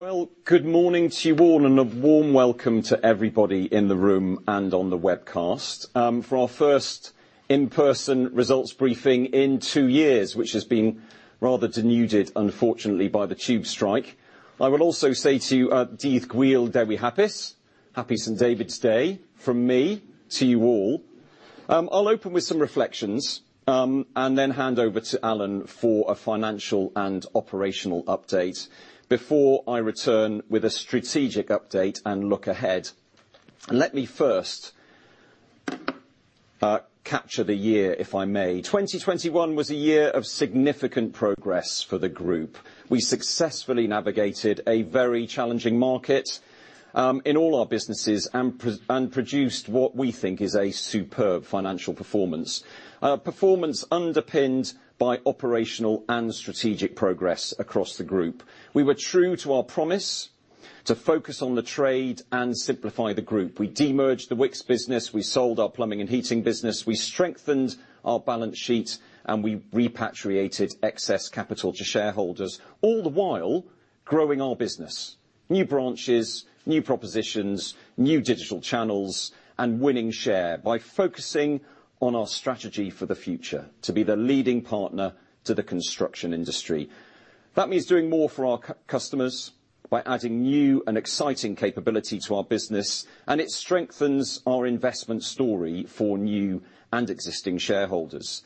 Well, good morning to you all, and a warm welcome to everybody in the room and on the webcast, for our first in-person results briefing in two years, which has been rather denuded, unfortunately, by the tube strike. I will also say to you, Happy St. David's Day from me to you all. I'll open with some reflections, and then hand over to Alan for a financial and operational update before I return with a strategic update and look ahead. Let me first capture the year, if I may. 2021 was a year of significant progress for the group. We successfully navigated a very challenging market, in all our businesses and produced what we think is a superb financial performance. Performance underpinned by operational and strategic progress across the group. We were true to our promise to focus on the trade and simplify the group. We de-merged the Wickes business, we sold our plumbing and heating business, we strengthened our balance sheet, and we repatriated excess capital to shareholders, all the while growing our business. New branches, new propositions, new digital channels, and winning share by focusing on our strategy for the future, to be the leading partner to the construction industry. That means doing more for our customers by adding new and exciting capability to our business, and it strengthens our investment story for new and existing shareholders.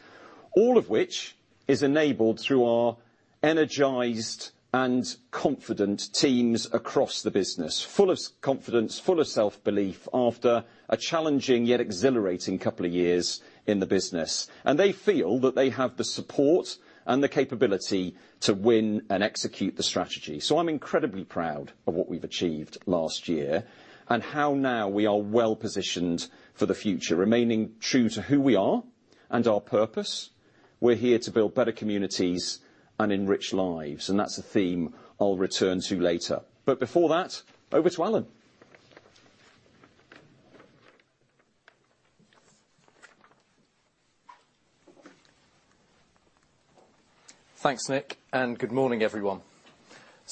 All of which is enabled through our energized and confident teams across the business, full of confidence, full of self-belief after a challenging, yet exhilarating couple of years in the business. They feel that they have the support and the capability to win and execute the strategy. I'm incredibly proud of what we've achieved last year, and how now we are well positioned for the future, remaining true to who we are and our purpose. We're here to build better communities and enrich lives, and that's a theme I'll return to later. Before that, over to Alan. Thanks, Nick, and good morning, everyone.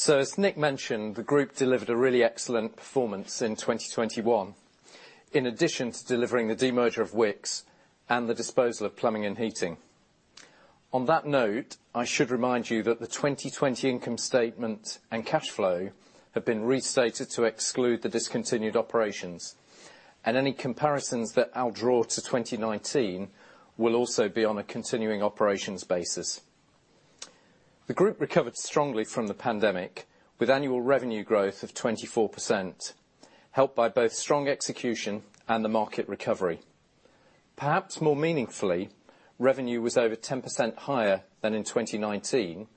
As Nick mentioned, the group delivered a really excellent performance in 2021, in addition to delivering the demerger of Wickes and the disposal of Plumbing and Heating. On that note, I should remind you that the 2020 income statement and cash flow have been restated to exclude the discontinued operations. Any comparisons that I'll draw to 2019 will also be on a continuing operations basis. The group recovered strongly from the pandemic with annual revenue growth of 24%, helped by both strong execution and the market recovery. Perhaps more meaningfully, revenue was over 10% higher than in 2019,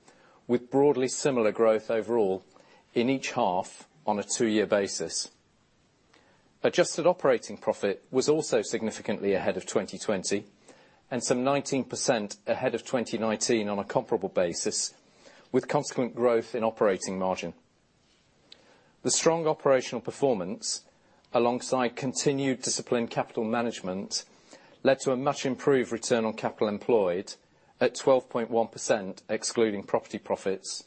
with broadly similar growth overall in each half on a two-year basis. Adjusted operating profit was also significantly ahead of 2020, and some 19% ahead of 2019 on a comparable basis, with consequent growth in operating margin. The strong operational performance, alongside continued disciplined capital management, led to a much improved return on capital employed at 12.1%, excluding property profits.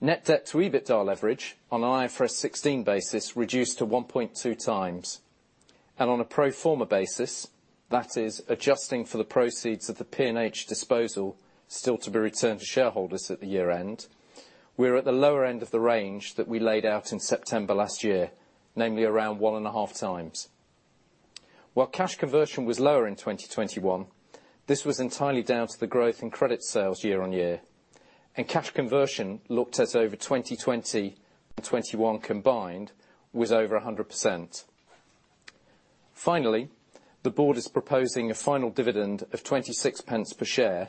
Net debt to EBITDA leverage on an IFRS 16 basis reduced to 1.2 times. On a pro forma basis, that is adjusting for the proceeds of the P&H disposal still to be returned to shareholders at the year-end, we're at the lower end of the range that we laid out in September last year, namely around 1.5 times. While cash conversion was lower in 2021, this was entirely down to the growth in credit sales year on year, and cash conversion looked at over 2020 and 2021 combined was over 100%. Finally, the board is proposing a final dividend of 0.26 per share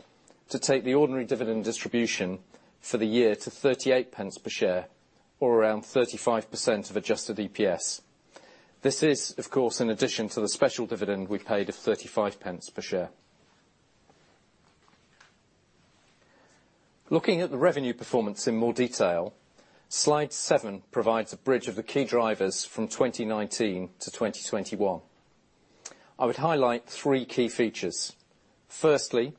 to take the ordinary dividend distribution for the year to 0.38 per share or around 35% of adjusted EPS. This is, of course, in addition to the special dividend we paid of 0.35 per share. Looking at the revenue performance in more detail, slide seven provides a bridge of the key drivers from 2019 to 2021. I would highlight three key features. Firstly,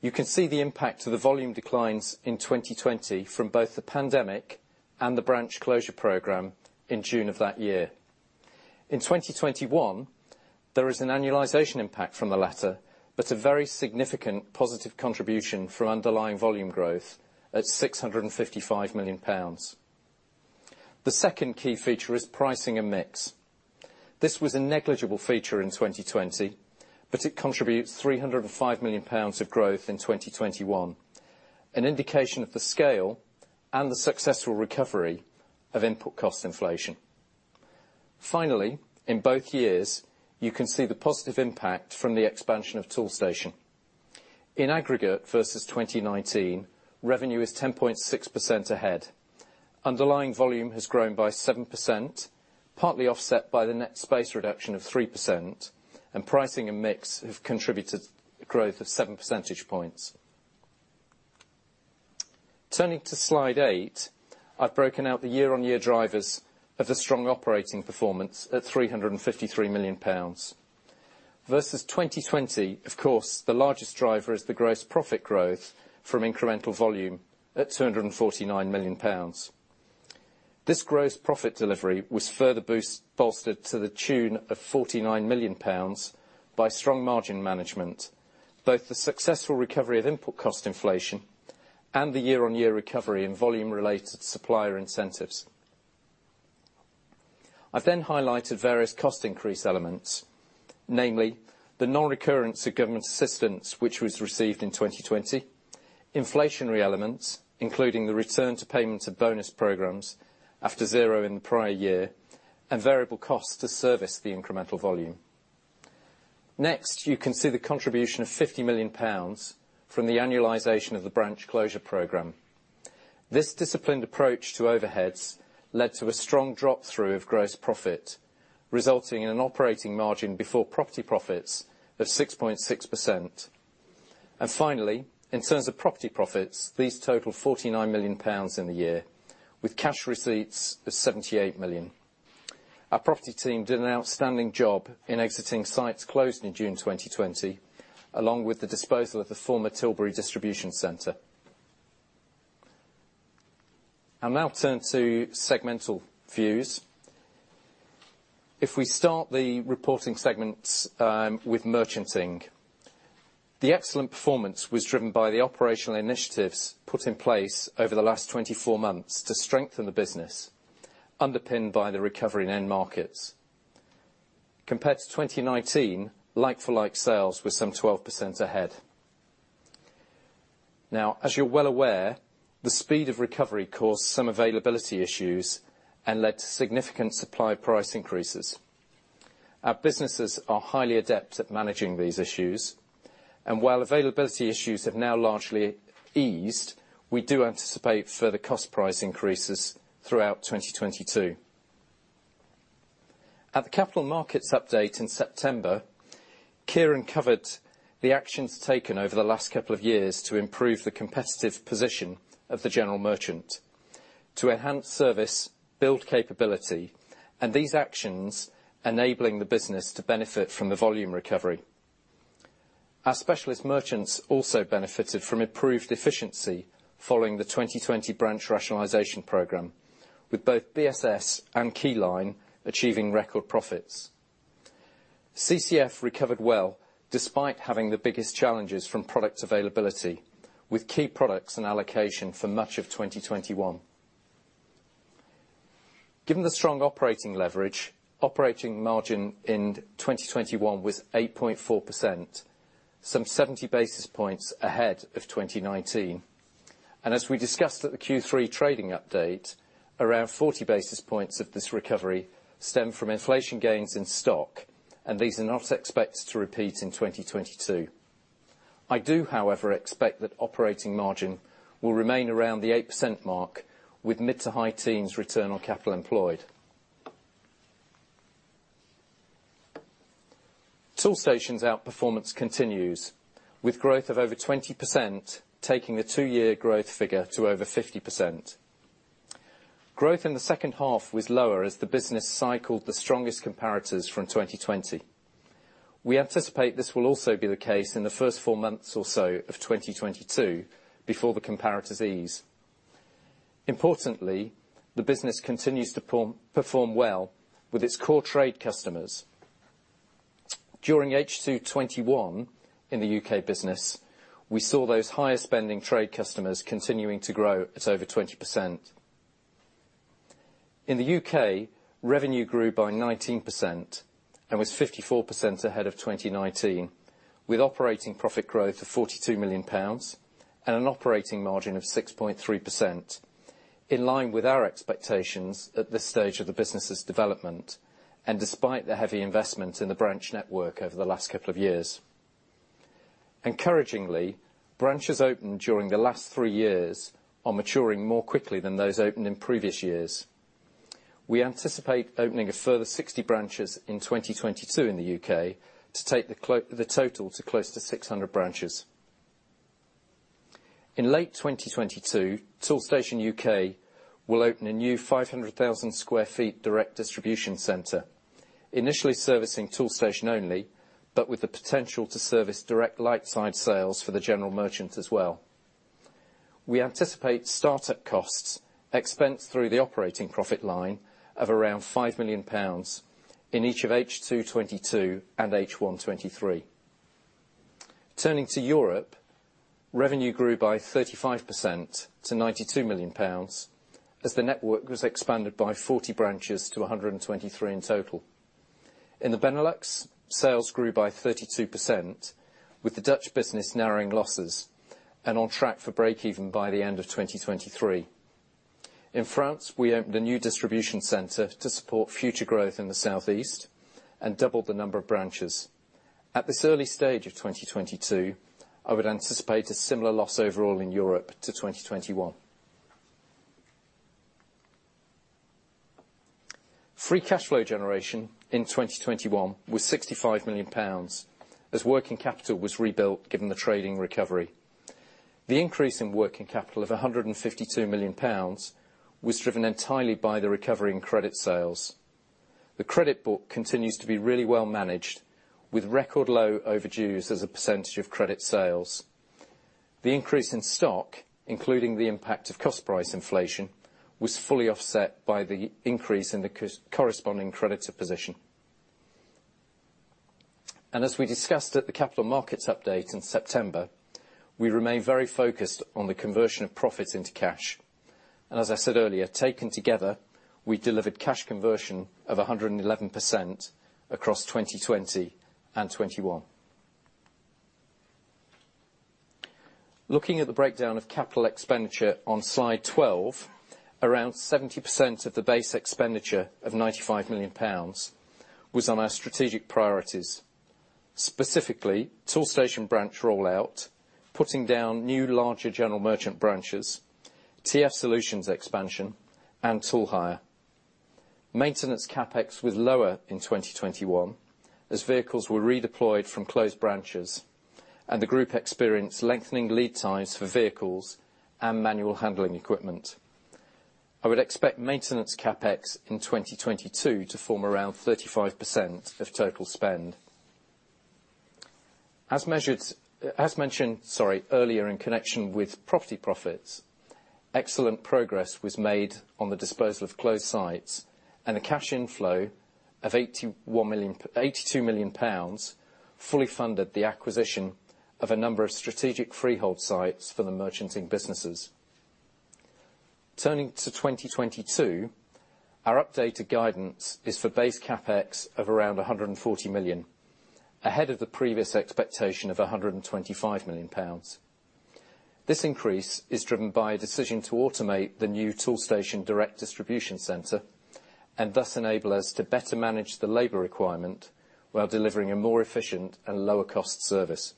you can see the impact of the volume declines in 2020 from both the pandemic and the branch closure program in June of that year. In 2021, there is an annualization impact from the latter, but a very significant positive contribution from underlying volume growth at 655 million pounds. The second key feature is pricing and mix. This was a negligible feature in 2020, but it contributes 305 million pounds of growth in 2021, an indication of the scale and the successful recovery of input cost inflation. Finally, in both years, you can see the positive impact from the expansion of Toolstation. In aggregate versus 2019, revenue is 10.6% ahead. Underlying volume has grown by 7%, partly offset by the net space reduction of 3%, and pricing and mix have contributed growth of 7 percentage points. Turning to slide eight, I've broken out the year-on-year drivers of the strong operating performance at 353 million pounds. Versus 2020, of course, the largest driver is the gross profit growth from incremental volume at 249 million pounds. This gross profit delivery was further bolstered to the tune of GBP 49 million by strong margin management, both the successful recovery of input cost inflation and the year-on-year recovery in volume-related supplier incentives. I've then highlighted various cost increase elements, namely the non-recurrence of government assistance, which was received in 2020, inflationary elements, including the return to payment of bonus programs after zero in the prior year, and variable costs to service the incremental volume. Next, you can see the contribution of 50 million pounds from the annualization of the branch closure program. This disciplined approach to overheads led to a strong drop through of gross profit, resulting in an operating margin before property profits of 6.6%. Finally, in terms of property profits, these total 49 million pounds in the year, with cash receipts of 78 million. Our property team did an outstanding job in exiting sites closed in June 2020, along with the disposal of the former Tilbury Distribution Center. I'll now turn to segmental views. If we start the reporting segments with merchanting. The excellent performance was driven by the operational initiatives put in place over the last 24 months to strengthen the business, underpinned by the recovery in end markets. Compared to 2019, like-for-like sales were some 12% ahead. Now, as you're well aware, the speed of recovery caused some availability issues and led to significant supply price increases. Our businesses are highly adept at managing these issues, and while availability issues have now largely eased, we do anticipate further cost price increases throughout 2022. At the capital markets update in September, Kieran covered the actions taken over the last couple of years to improve the competitive position of the general merchant to enhance service, build capability, and these actions enabling the business to benefit from the volume recovery. Our specialist merchants also benefited from improved efficiency following the 2020 branch rationalization program, with both BSS and Keyline achieving record profits. CCF recovered well despite having the biggest challenges from product availability, with key products and allocation for much of 2021. Given the strong operating leverage, operating margin in 2021 was 8.4%, some 70 basis points ahead of 2019. As we discussed at the Q3 trading update, around 40 basis points of this recovery stem from inflation gains in stock, and these are not expected to repeat in 2022. I do, however, expect that operating margin will remain around the 8% mark with mid- to high-teens return on capital employed. Toolstation's outperformance continues, with growth of over 20% taking the two-year growth figure to over 50%. Growth in the second half was lower as the business cycled the strongest comparators from 2020. We anticipate this will also be the case in the first four months or so of 2022 before the comparators ease. Importantly, the business continues to perform well with its core trade customers. During H2 2021 in the U.K. business, we saw those higher-spending trade customers continuing to grow at over 20%. In the U.K., revenue grew by 19% and was 54% ahead of 2019, with operating profit growth of 42 million pounds and an operating margin of 6.3%, in line with our expectations at this stage of the business' development and despite the heavy investment in the branch network over the last couple of years. Encouragingly, branches opened during the last three years are maturing more quickly than those opened in previous years. We anticipate opening a further 60 branches in 2022 in the U.K. to take the total to close to 600 branches. In late 2022, Toolstation U.K. will open a new 500,000 sq ft direct distribution center, initially servicing Toolstation only, but with the potential to service direct light side sales for the general merchant as well. We anticipate start-up costs expensed through the operating profit line of around 5 million pounds in each of H2 2022 and H1 2023. Turning to Europe, revenue grew by 35% to 92 million pounds as the network was expanded by 40 branches to 123 in total. In the Benelux, sales grew by 32% with the Dutch business narrowing losses and on track for break even by the end of 2023. In France, we opened a new distribution center to support future growth in the southeast and doubled the number of branches. At this early stage of 2022, I would anticipate a similar loss overall in Europe to 2021. Free cash flow generation in 2021 was 65 million pounds as working capital was rebuilt given the trading recovery. The increase in working capital of 152 million pounds was driven entirely by the recovery in credit sales. The credit book continues to be really well managed with record low overdues as a percentage of credit sales. The increase in stock, including the impact of cost price inflation, was fully offset by the increase in the corresponding creditor position. As we discussed at the capital markets update in September, we remain very focused on the conversion of profits into cash. As I said earlier, taken together, we delivered cash conversion of 111% across 2020 and 2021. Looking at the breakdown of capital expenditure on slide 12, around 70% of the base expenditure of 95 million pounds was on our strategic priorities, specifically Toolstation branch rollout, putting down new larger general merchant branches, TF Solutions expansion, and tool hire. Maintenance CapEx was lower in 2021 as vehicles were redeployed from closed branches and the group experienced lengthening lead times for vehicles and manual handling equipment. I would expect maintenance CapEx in 2022 to form around 35% of total spend. As mentioned, sorry, earlier in connection with property profits, excellent progress was made on the disposal of closed sites, and a cash inflow of 82 million pounds fully funded the acquisition of a number of strategic freehold sites for the merchanting businesses. Turning to 2022, our updated guidance is for base CapEx of around 140 million, ahead of the previous expectation of 125 million pounds. This increase is driven by a decision to automate the new Toolstation direct distribution center, and thus enable us to better manage the labor requirement while delivering a more efficient and lower cost service.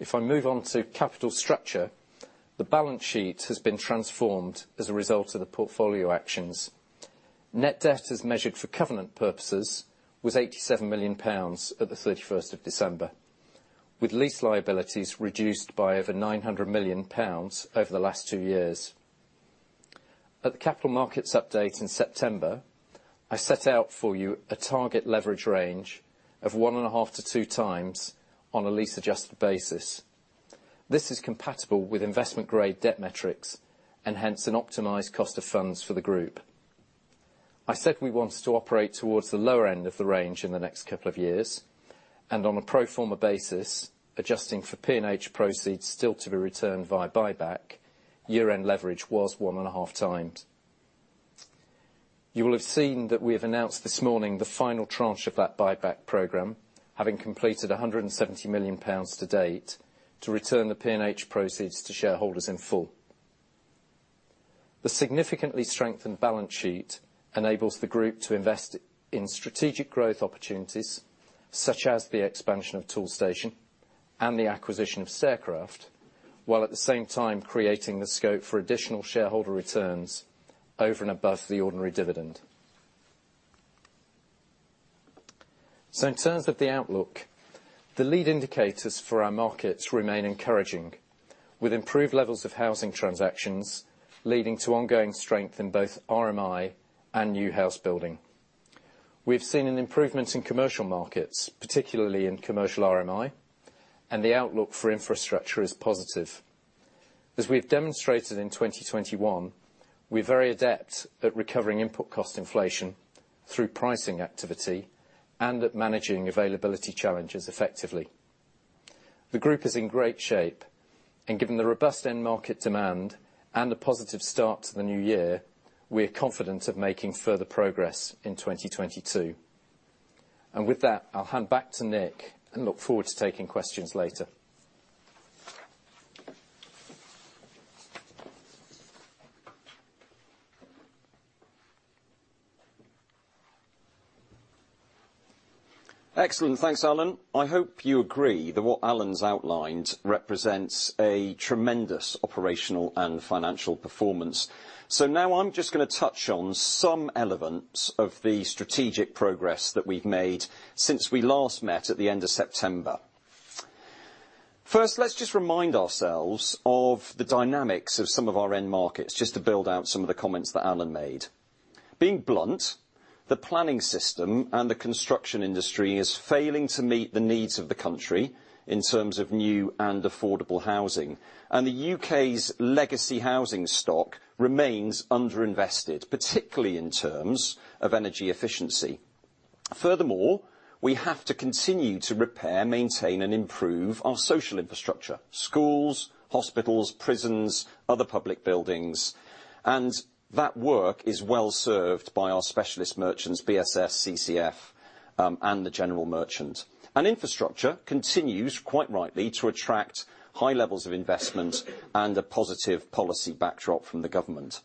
If I move on to capital structure, the balance sheet has been transformed as a result of the portfolio actions. Net debt as measured for covenant purposes was 87 million pounds at the December 31st, with lease liabilities reduced by over 900 million pounds over the last two years. At the capital markets update in September, I set out for you a target leverage range of 1.5-2 times on a lease-adjusted basis. This is compatible with investment grade debt metrics, and hence an optimized cost of funds for the group. I said we wanted to operate towards the lower end of the range in the next couple of years, and on a pro forma basis, adjusting for P&H proceeds still to be returned via buyback, year-end leverage was 1.5 times. You will have seen that we have announced this morning the final tranche of that buyback program, having completed 170 million pounds to date to return the P&H proceeds to shareholders in full. The significantly strengthened balance sheet enables the group to invest in strategic growth opportunities such as the expansion of Toolstation and the acquisition of Staircraft, while at the same time creating the scope for additional shareholder returns over and above the ordinary dividend. In terms of the outlook, the lead indicators for our markets remain encouraging, with improved levels of housing transactions leading to ongoing strength in both RMI and new house building. We've seen an improvement in commercial markets, particularly in commercial RMI, and the outlook for infrastructure is positive. As we've demonstrated in 2021, we're very adept at recovering input cost inflation through pricing activity and at managing availability challenges effectively. The group is in great shape, and given the robust end market demand and a positive start to the new year, we are confident of making further progress in 2022. With that, I'll hand back to Nick and look forward to taking questions later. Excellent. Thanks, Alan. I hope you agree that what Alan's outlined represents a tremendous operational and financial performance. Now I'm just gonna touch on some elements of the strategic progress that we've made since we last met at the end of September. First, let's just remind ourselves of the dynamics of some of our end markets just to build out some of the comments that Alan made. Being blunt, the planning system and the construction industry is failing to meet the needs of the country in terms of new and affordable housing, and the U.K.'s legacy housing stock remains underinvested, particularly in terms of energy efficiency. Furthermore, we have to continue to repair, maintain, and improve our social infrastructure, schools, hospitals, prisons, other public buildings, and that work is well-served by our specialist merchants, BSS, CCF, and the general merchant. Infrastructure continues, quite rightly, to attract high levels of investment and a positive policy backdrop from the government.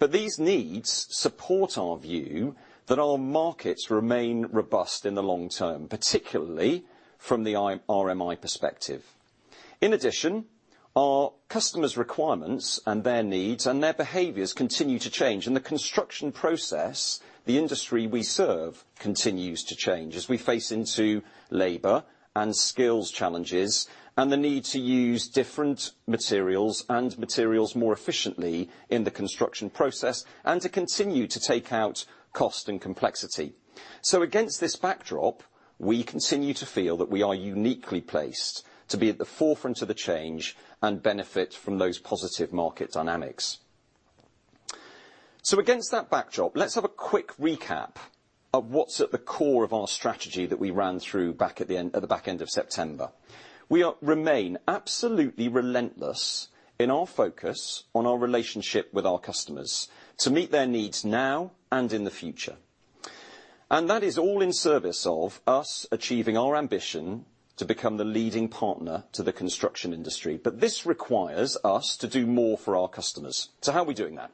These needs support our view that our markets remain robust in the long term, particularly from the RMI perspective. In addition, our customers' requirements and their needs and their behaviors continue to change. The construction process, the industry we serve, continues to change as we face into labor and skills challenges, and the need to use different materials and materials more efficiently in the construction process, and to continue to take out cost and complexity. Against this backdrop, we continue to feel that we are uniquely placed to be at the forefront of the change and benefit from those positive market dynamics. Against that backdrop, let's have a quick recap of what's at the core of our strategy that we ran through back at the back end of September. We remain absolutely relentless in our focus on our relationship with our customers to meet their needs now and in the future. That is all in service of us achieving our ambition to become the leading partner to the construction industry. This requires us to do more for our customers. How are we doing that?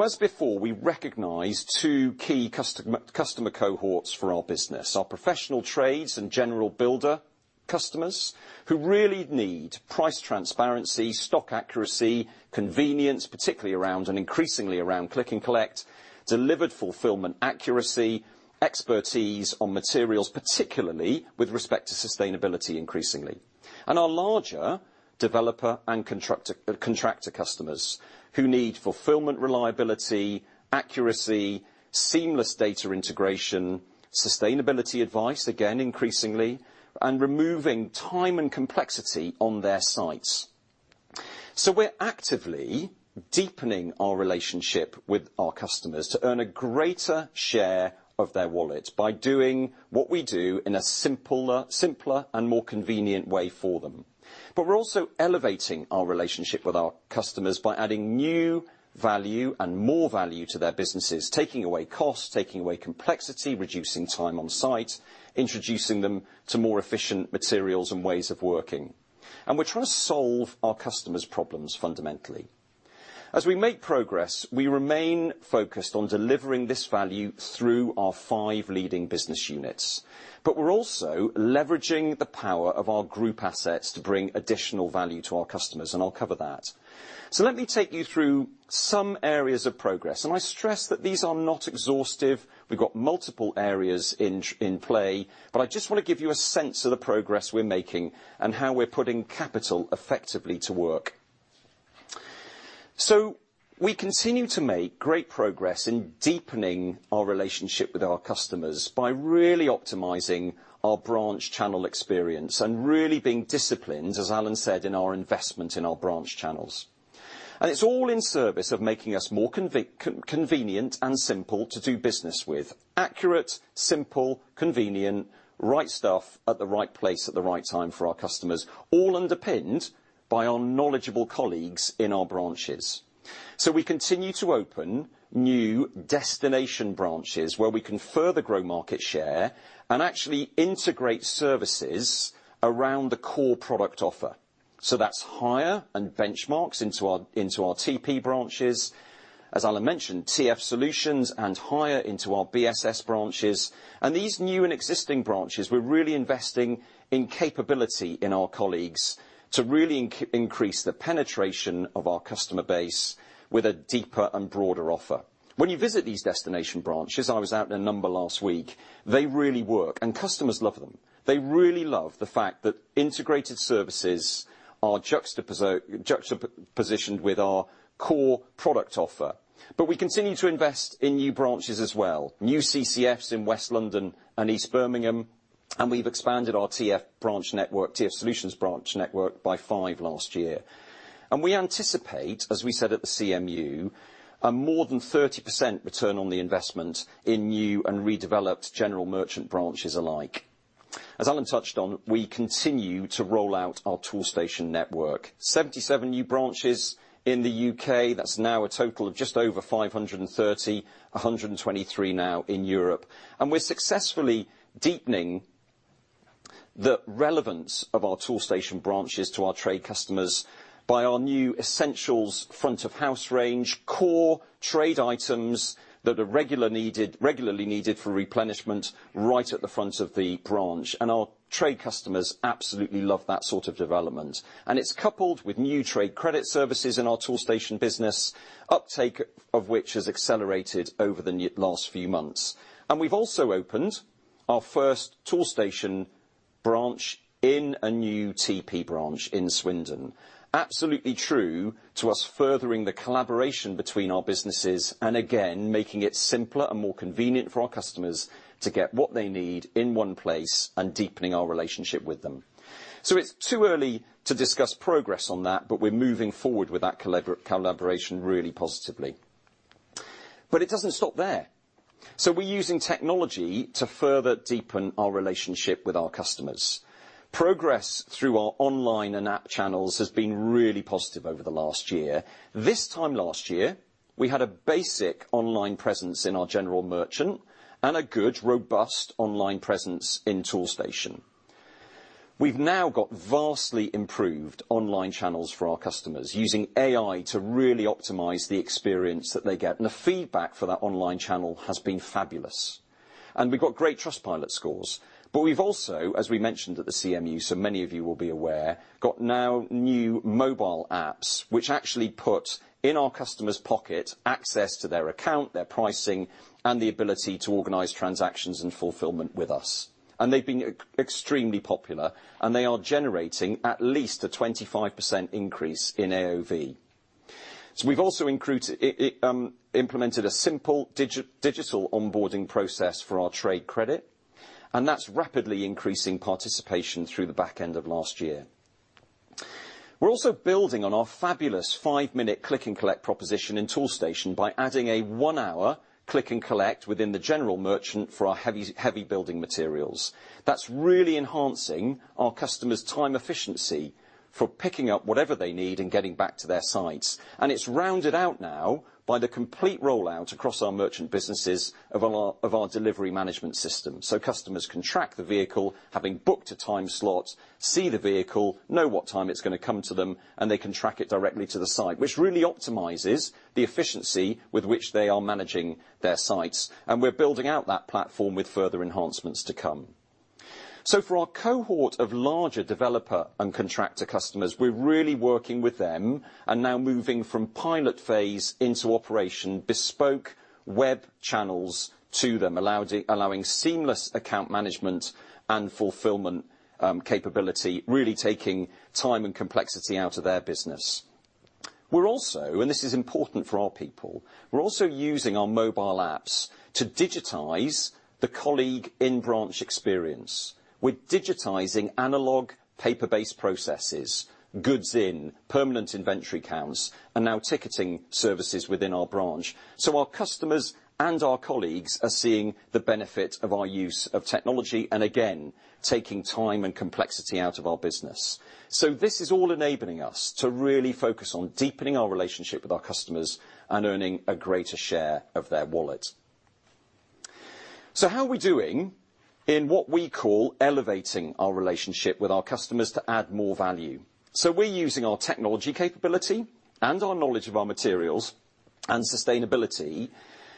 As before, we recognize two key customer cohorts for our business, our professional trades and general builder customers who really need price transparency, stock accuracy, convenience, particularly around and increasingly around click and collect, delivered fulfillment accuracy, expertise on materials, particularly with respect to sustainability increasingly. Our larger developer and contractor customers who need fulfillment, reliability, accuracy, seamless data integration, sustainability advice, again, increasingly, and removing time and complexity on their sites. We're actively deepening our relationship with our customers to earn a greater share of their wallet by doing what we do in a simpler and more convenient way for them. We're also elevating our relationship with our customers by adding new value and more value to their businesses, taking away costs, taking away complexity, reducing time on site, introducing them to more efficient materials and ways of working. We're trying to solve our customers' problems fundamentally. As we make progress, we remain focused on delivering this value through our five leading business units. We're also leveraging the power of our group assets to bring additional value to our customers, and I'll cover that. Let me take you through some areas of progress, and I stress that these are not exhaustive. We've got multiple areas in play, but I just wanna give you a sense of the progress we're making and how we're putting capital effectively to work. We continue to make great progress in deepening our relationship with our customers by really optimizing our branch channel experience and really being disciplined, as Alan said, in our investment in our branch channels. It's all in service of making us more convenient and simple to do business with. Accurate, simple, convenient, right stuff at the right place at the right time for our customers, all underpinned by our knowledgeable colleagues in our branches. We continue to open new destination branches where we can further grow market share and actually integrate services around the core product offer. That's Hire and Benchmarx into our TP branches. As Alan mentioned, TF Solutions and Hire into our BSS branches. These new and existing branches, we're really investing in capability in our colleagues to really increase the penetration of our customer base with a deeper and broader offer. When you visit these destination branches, I was out in a number last week, they really work and customers love them. They really love the fact that integrated services are juxtapositioned with our core product offer. We continue to invest in new branches as well, new CCFs in West London and East Birmingham, and we've expanded our TF branch network, TF Solutions branch network by 5 last year. We anticipate, as we said at the CMU, a more than 30% return on the investment in new and redeveloped general merchant branches alike. As Alan touched on, we continue to roll out our Toolstation network. 77 new branches in the U.K. That's now a total of just over 530, 123 now in Europe. We're successfully deepening the relevance of our Toolstation branches to our trade customers by our new essentials front of house range, core trade items that are regularly needed for replenishment right at the front of the branch. Our trade customers absolutely love that sort of development. It's coupled with new trade credit services in our Toolstation business, uptake of which has accelerated over the last few months. We've also opened our first Toolstation branch in a new TP branch in Swindon. Absolutely true to us furthering the collaboration between our businesses and again, making it simpler and more convenient for our customers to get what they need in one place and deepening our relationship with them. It's too early to discuss progress on that, but we're moving forward with that collaboration really positively. It doesn't stop there. We're using technology to further deepen our relationship with our customers. Progress through our online and app channels has been really positive over the last year. This time last year, we had a basic online presence in our General Merchant and a good, robust online presence in Toolstation. We've now got vastly improved online channels for our customers using AI to really optimize the experience that they get, and the feedback for that online channel has been fabulous. We've got great Trustpilot scores. We've also, as we mentioned at the CMU, so many of you will be aware, got now new mobile apps which actually put in our customers' pocket access to their account, their pricing, and the ability to organize transactions and fulfillment with us. They've been extremely popular, and they are generating at least a 25% increase in AOV. We've also implemented a simple digital onboarding process for our trade credit, and that's rapidly increasing participation through the back end of last year. We're also building on our fabulous five-minute click and collect proposition in Toolstation by adding a one-hour click and collect within the General Merchant for our heavy building materials. That's really enhancing our customers' time efficiency for picking up whatever they need and getting back to their sites. It's rounded out now by the complete rollout across our merchant businesses of our delivery management system, so customers can track the vehicle, having booked a time slot, see the vehicle, know what time it's gonna come to them, and they can track it directly to the site, which really optimizes the efficiency with which they are managing their sites. We're building out that platform with further enhancements to come. For our cohort of larger developer and contractor customers, we're really working with them and now moving from pilot phase into operation bespoke web channels to them, allowing seamless account management and fulfillment capability, really taking time and complexity out of their business. We're also, and this is important for our people, we're also using our mobile apps to digitize the colleague in-branch experience. We're digitizing analog paper-based processes, goods in, permanent inventory counts, and now ticketing services within our branch. Our customers and our colleagues are seeing the benefit of our use of technology and again, taking time and complexity out of our business. This is all enabling us to really focus on deepening our relationship with our customers and earning a greater share of their wallet. How are we doing in what we call elevating our relationship with our customers to add more value? We're using our technology capability and our knowledge of our materials and sustainability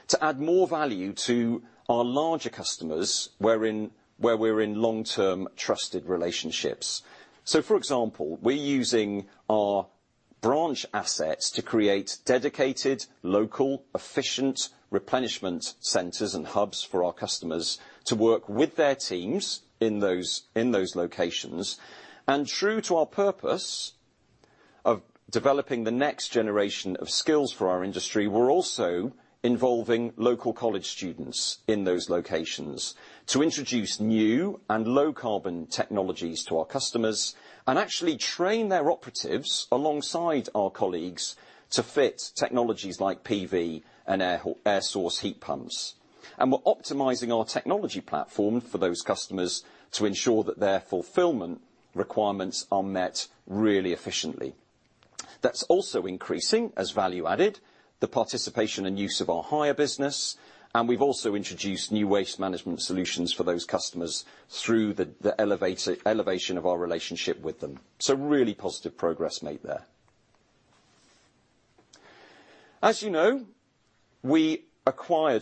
to add more value to our larger customers where we're in long-term trusted relationships. For example, we're using our branch assets to create dedicated, local, efficient replenishment centers and hubs for our customers to work with their teams in those locations. True to our purpose of developing the next generation of skills for our industry, we're also involving local college students in those locations to introduce new and low-carbon technologies to our customers and actually train their operatives alongside our colleagues to fit technologies like PV and air source heat pumps. We're optimizing our technology platform for those customers to ensure that their fulfillment requirements are met really efficiently. That's also increasing as value-added, the participation and use of our hire business, and we've also introduced new waste management solutions for those customers through the elevation of our relationship with them. Really positive progress made there. As you know, we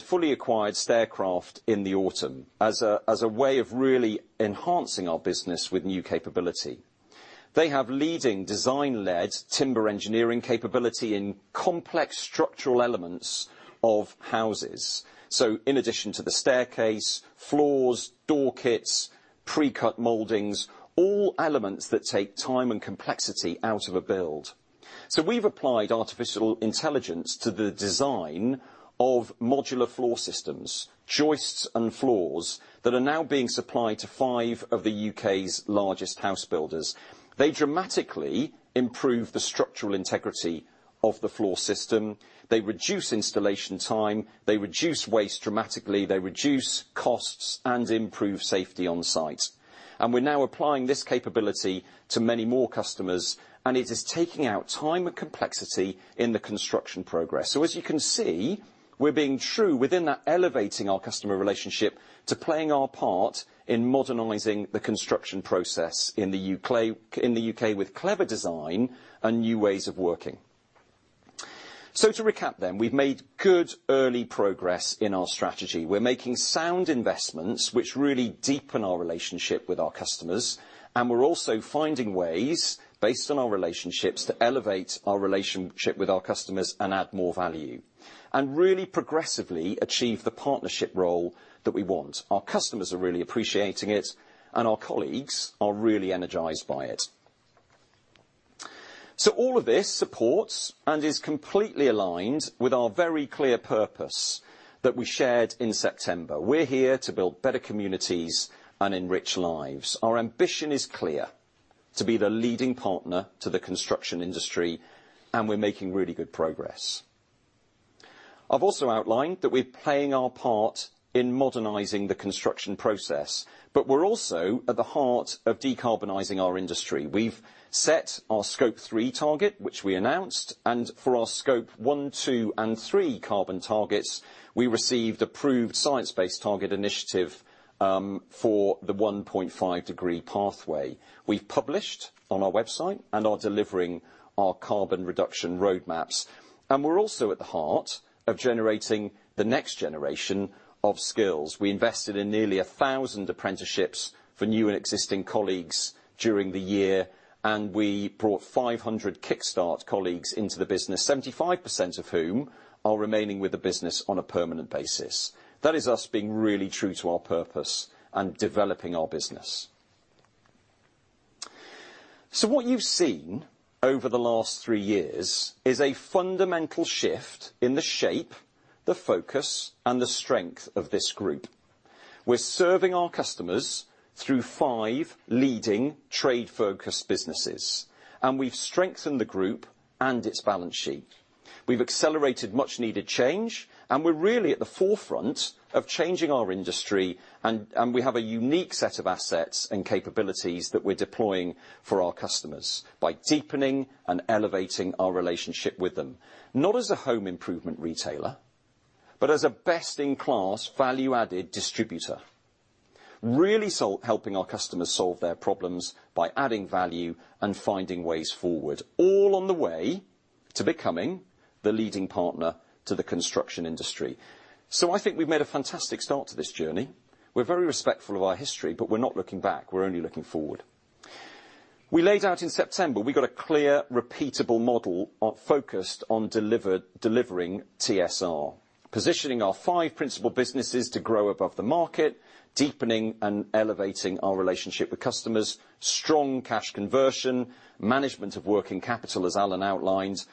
fully acquired Staircraft in the autumn as a way of really enhancing our business with new capability. They have leading design-led timber engineering capability in complex structural elements of houses. In addition to the staircase, floors, door kits, precut moldings, all elements that take time and complexity out of a build. We've applied artificial intelligence to the design of modular floor systems, joists and floors that are now being supplied to five of the U.K.'s largest house builders. They dramatically improve the structural integrity of the floor system. They reduce installation time. They reduce waste dramatically. They reduce costs and improve safety on site. We're now applying this capability to many more customers, and it is taking out time and complexity in the construction progress. As you can see, we're being true within that elevating our customer relationship to playing our part in modernizing the construction process in the U.K. with clever design and new ways of working. To recap then, we've made good early progress in our strategy. We're making sound investments which really deepen our relationship with our customers, and we're also finding ways based on our relationships to elevate our relationship with our customers and add more value and really progressively achieve the partnership role that we want. Our customers are really appreciating it, and our colleagues are really energized by it. All of this supports and is completely aligned with our very clear purpose that we shared in September. We're here to build better communities and enrich lives. Our ambition is clear: to be the leading partner to the construction industry, and we're making really good progress. I've also outlined that we're playing our part in modernizing the construction process, but we're also at the heart of decarbonizing our industry. We've set our Scope three target, which we announced, and for our Scope one, two, and three carbon targets, we received approved Science Based Targets initiative for the 1.5 degree pathway we've published on our website and are delivering our carbon reduction roadmaps. We're also at the heart of generating the next generation of skills. We invested in nearly 1,000 apprenticeships for new and existing colleagues during the year, and we brought 500 Kickstart colleagues into the business, 75% of whom are remaining with the business on a permanent basis. That is us being really true to our purpose and developing our business. What you've seen over the last three years is a fundamental shift in the shape, the focus, and the strength of this group. We're serving our customers through five leading trade-focused businesses, and we've strengthened the group and its balance sheet. We've accelerated much needed change, and we're really at the forefront of changing our industry, and we have a unique set of assets and capabilities that we're deploying for our customers by deepening and elevating our relationship with them, not as a home improvement retailer, but as a best-in-class value-added distributor. Really helping our customers solve their problems by adding value and finding ways forward, all on the way to becoming the leading partner to the construction industry. I think we've made a fantastic start to this journey. We're very respectful of our history, but we're not looking back, we're only looking forward. We laid out in September, we've got a clear, repeatable model, focused on delivering TSR, positioning our five principal businesses to grow above the market, deepening and elevating our relationship with customers, strong cash conversion, management of working capital, as Alan outlined,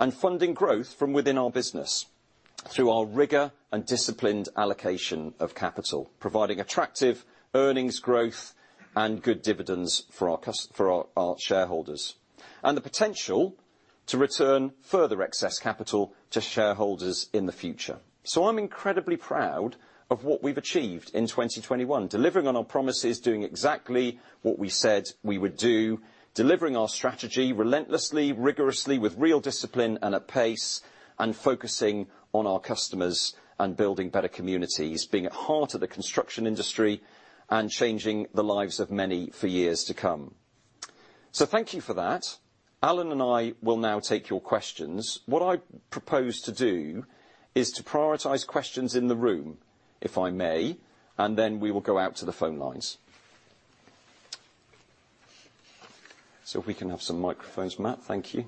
and funding growth from within our business through our rigor and disciplined allocation of capital, providing attractive earnings growth and good dividends for our shareholders. The potential to return further excess capital to shareholders in the future. I'm incredibly proud of what we've achieved in 2021, delivering on our promises, doing exactly what we said we would do, delivering our strategy relentlessly, rigorously, with real discipline and at pace, and focusing on our customers and building better communities, being at heart of the construction industry and changing the lives of many for years to come. Thank you for that. Alan and I will now take your questions. What I propose to do is to prioritize questions in the room, if I may, and then we will go out to the phone lines. If we can have some microphones, Matt, thank you.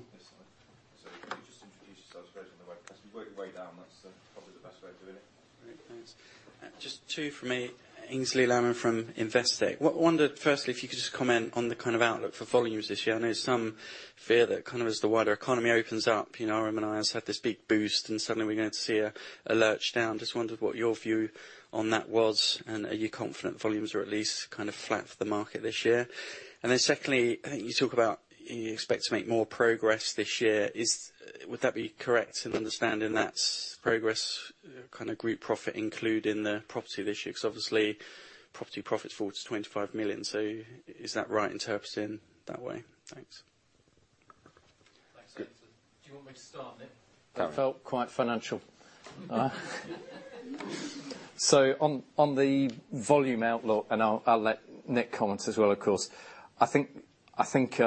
Yes, sorry. Can you just introduce yourselves, as in the webcast. We'll work our way down, that's probably the best way of doing it. Great. Thanks. Just two for me. Aynsley Lammin from Investec. What I wondered, firstly, if you could just comment on the kind of outlook for volumes this year. I know some fear that kind of as the wider economy opens up, you know, RMI has had this big boost, and suddenly we're going to see a lurch down. Just wondered what your view on that was, and are you confident volumes are at least kind of flat for the market this year? Then secondly, I think you talk about you expect to make more progress this year. Would that be correct in understanding that progress, kind of group profit, including the property this year? Because obviously, property profits forecast to 25 million. So is that right interpreting that way? Thanks. Good. Thanks, Aynsley. Do you want me to start, Nick? Go on. That felt quite financial. On the volume outlook, and I'll let Nick comment as well, of course. I think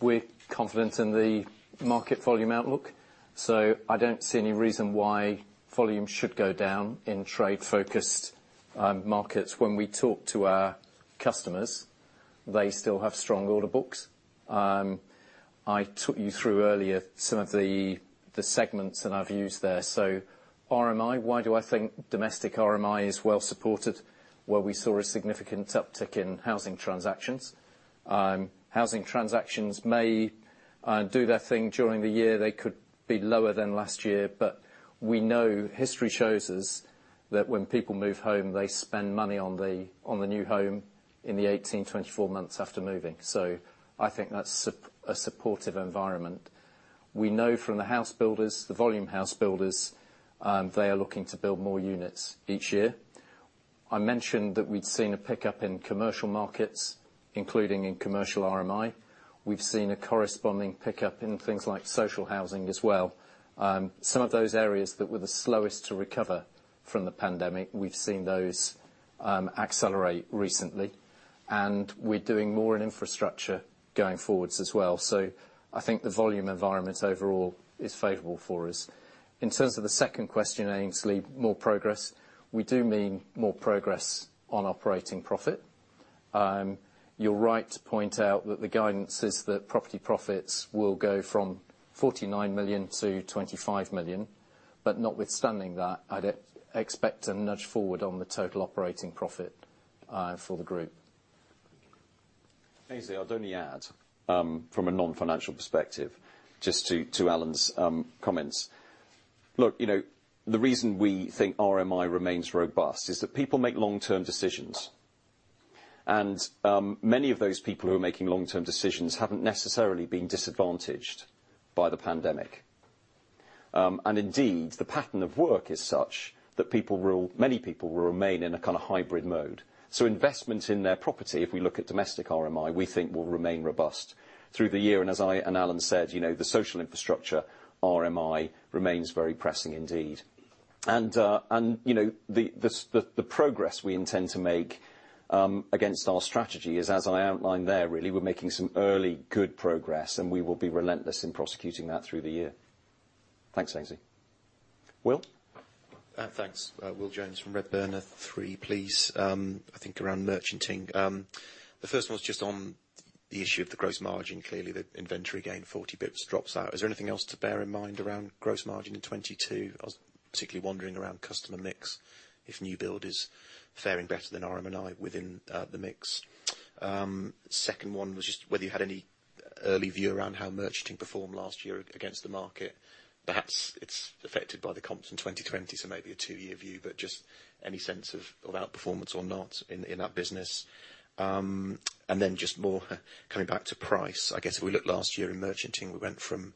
we're confident in the market volume outlook, so I don't see any reason why volume should go down in trade-focused markets. When we talk to our customers, they still have strong order books. I took you through earlier some of the segments that I've used there. RMI, why do I think domestic RMI is well supported? Well, we saw a significant uptick in housing transactions. Housing transactions may do their thing during the year. They could be lower than last year. We know history shows us that when people move home, they spend money on the new home in the 18-24 months after moving. I think that's a supportive environment. We know from the house builders, the volume house builders, they are looking to build more units each year. I mentioned that we'd seen a pickup in commercial markets, including in commercial RMI. We've seen a corresponding pickup in things like social housing as well. Some of those areas that were the slowest to recover from the pandemic, we've seen those accelerate recently. We're doing more in infrastructure going forwards as well. I think the volume environment overall is favorable for us. In terms of the second question, Aynsley, we do mean more progress on operating profit. You're right to point out that the guidance is that property profits will go from 49 million to 25 million. Notwithstanding that, I'd expect a nudge forward on the total operating profit for the group. Aynsley, I'd only add from a non-financial perspective, just to Alan's comments. Look, you know, the reason we think RMI remains robust is that people make long-term decisions. Many of those people who are making long-term decisions haven't necessarily been disadvantaged by the pandemic. Indeed, the pattern of work is such that people will, many people will remain in a kinda hybrid mode. Investment in their property, if we look at domestic RMI, we think will remain robust through the year. As I and Alan said, you know, the social infrastructure RMI remains very pressing indeed. The progress we intend to make against our strategy is, as I outlined there, really, we're making some early good progress, and we will be relentless in prosecuting that through the year. Thanks, Aynsley. Will? Thanks. Will Jones from Redburn, three, please. I think around merchanting. The first one's just on the issue of the gross margin. Clearly, the inventory gain 40 pips drops out. Is there anything else to bear in mind around gross margin in 2022? I was particularly wondering around customer mix, if new build is faring better than RMI within the mix. Second one was just whether you had any early view around how merchanting performed last year against the market. Perhaps it's affected by the comps in 2020, so maybe a two-year view, but just any sense of outperformance or not in that business. More coming back to price. I guess if we look last year in merchanting, we went from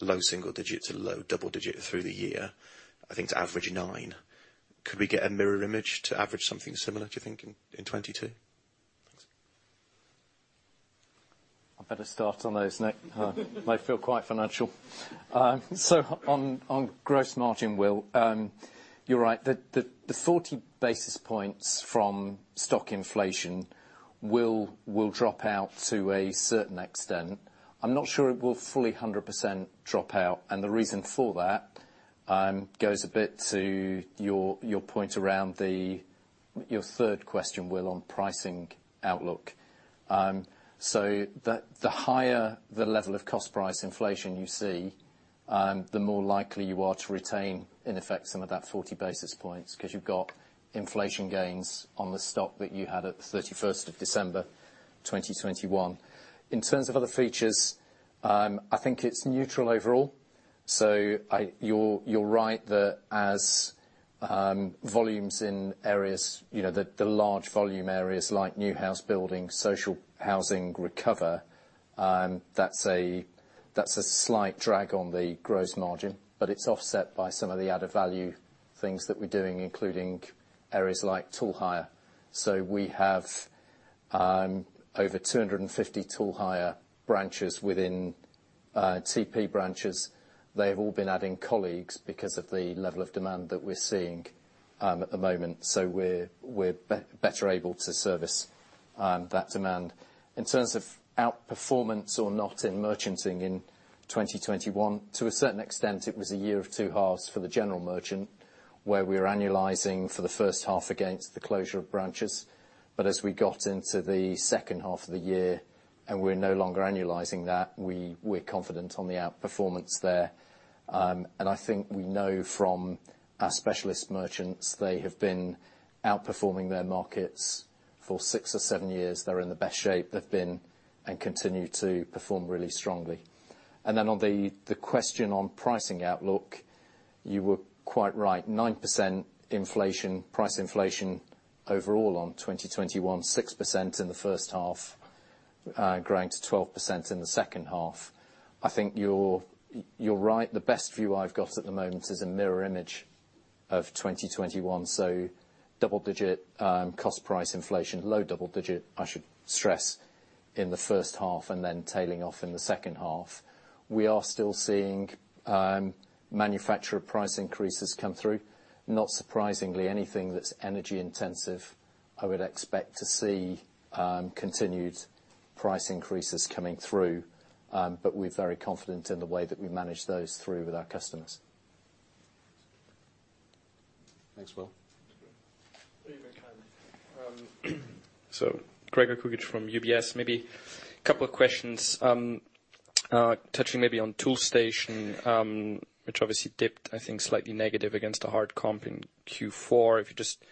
low single digit to low double digit through the year, I think to average nine. Could we get a mirror image to average something similar, do you think, in 2022? Thanks. I better start on those, Nick. They feel quite financial. On gross margin, Will, you're right. The 40 basis points from stock inflation will drop out to a certain extent. I'm not sure it will fully 100% drop out, and the reason for that goes a bit to your point around your third question, Will, on pricing outlook. The higher the level of cost price inflation you see, the more likely you are to retain, in effect, some of that 40 basis points, 'cause you've got inflation gains on the stock that you had at the thirty-first of December 2021. In terms of other features, I think it's neutral overall. You're right that as volumes in areas the large volume areas like new house building, social housing recover, that's a slight drag on the gross margin. It's offset by some of the added value things that we're doing, including areas like tool hire. We have over 250 tool hire branches within TP branches. They've all been adding colleagues because of the level of demand that we're seeing at the moment. We're better able to service that demand. In terms of outperformance or not in merchanting in 2021, to a certain extent it was a year of two halves for the general merchant, where we were annualizing for the first half against the closure of branches. As we got into the second half of the year, and we're no longer annualizing that, we're confident on the outperformance there. I think we know from our specialist merchants, they have been outperforming their markets for six or seven years. They're in the best shape they've been and continue to perform really strongly. On the question on pricing outlook, you were quite right. 9% inflation, price inflation overall on 2021. 6% in the first half, growing to 12% in the second half. I think you're right. The best view I've got at the moment is a mirror image of 2021, so double-digit cost-price inflation. Low double-digit, I should stress, in the first half, and then tailing off in the second half. We are still seeing manufacturer price increases come through. Not surprisingly, anything that's energy intensive, I would expect to see continued price increases coming through, but we're very confident in the way that we manage those through with our customers. Thanks, Will. Thank you for your time. Gregor Kuglitsch from UBS. Maybe couple of questions, touching maybe on Toolstation, which obviously dipped, I think, slightly negative against the hard comp in Q4. If you just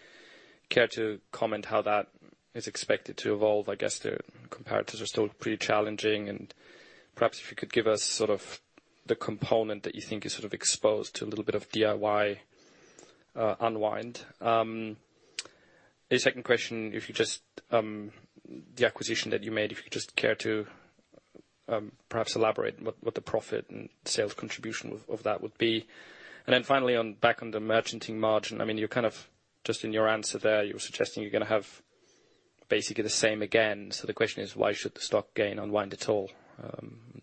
care to comment how that is expected to evolve. I guess the comparatives are still pretty challenging. Perhaps if you could give us sort of the component that you think is sort of exposed to a little bit of DIY unwind. A second question if you'd just the acquisition that you made, if you'd just care to perhaps elaborate what the profit and sales contribution of that would be. Then finally on back on the merchanting margin, I mean, you kind of just in your answer there, you were suggesting you're gonna have basically the same again. The question is why should the stock gain unwind at all?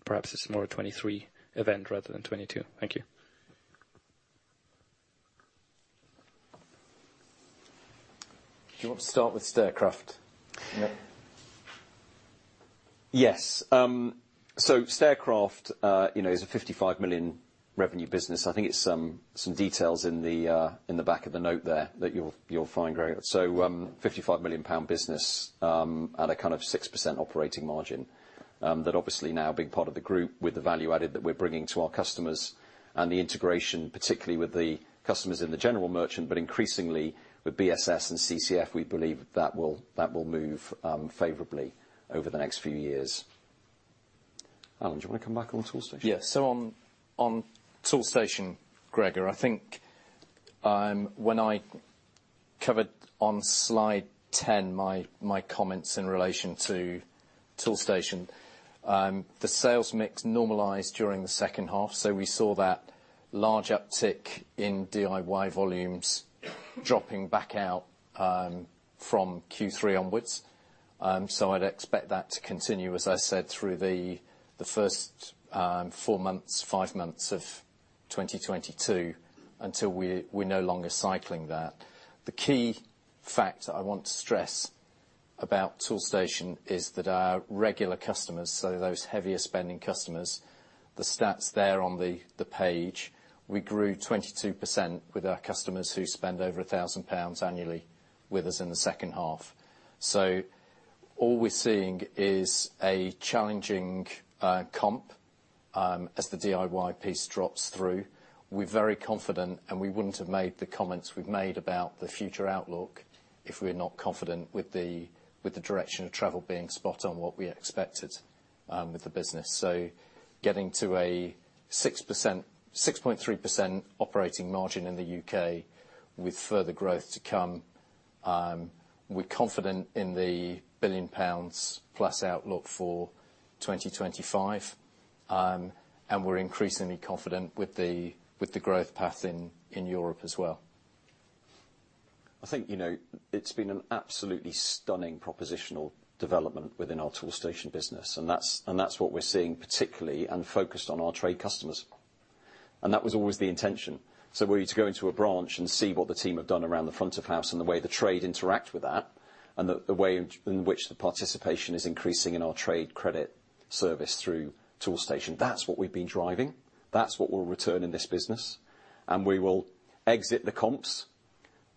Perhaps it's more a 2023 event rather than 2022. Thank you. Do you want to start with Staircraft, Nick? Yes. Staircraft, you know, is a 55 million revenue business. I think it's some details in the back of the note there that you'll find, Gregor. 55 million pound business at a kind of 6% operating margin, that obviously now being part of the group with the value added that we're bringing to our customers and the integration, particularly with the customers in the General Merchant, but increasingly with BSS and CCF, we believe that will move favorably over the next few years. Alan, do you wanna come back on Toolstation? On Toolstation, Gregor, I think when I covered on slide 10 my comments in relation to Toolstation, the sales mix normalized during the second half. We saw that large uptick in DIY volumes dropping back out from Q3 onwards. I'd expect that to continue, as I said, through the first four months, five months of 2022 until we're no longer cycling that. The key fact I want to stress about Toolstation is that our regular customers, so those heavier spending customers, the stats there on the page, we grew 22% with our customers who spend over 1,000 pounds annually with us in the second half. All we're seeing is a challenging comp as the DIY piece drops through. We're very confident, and we wouldn't have made the comments we've made about the future outlook if we're not confident with the direction of travel being spot on what we expected with the business. Getting to a 6.3% operating margin in the UK with further growth to come, we're confident in the 1 billion pounds plus outlook for 2025, and we're increasingly confident with the growth path in Europe as well. I think, you know, it's been an absolutely stunning proposition development within our Toolstation business, and that's what we're seeing particularly and focused on our trade customers. That was always the intention. We need to go into a branch and see what the team have done around the front of house and the way the trade interact with that, and the way in which the participation is increasing in our trade credit service through Toolstation. That's what we've been driving. That's what we'll return in this business, and we will exit the comps,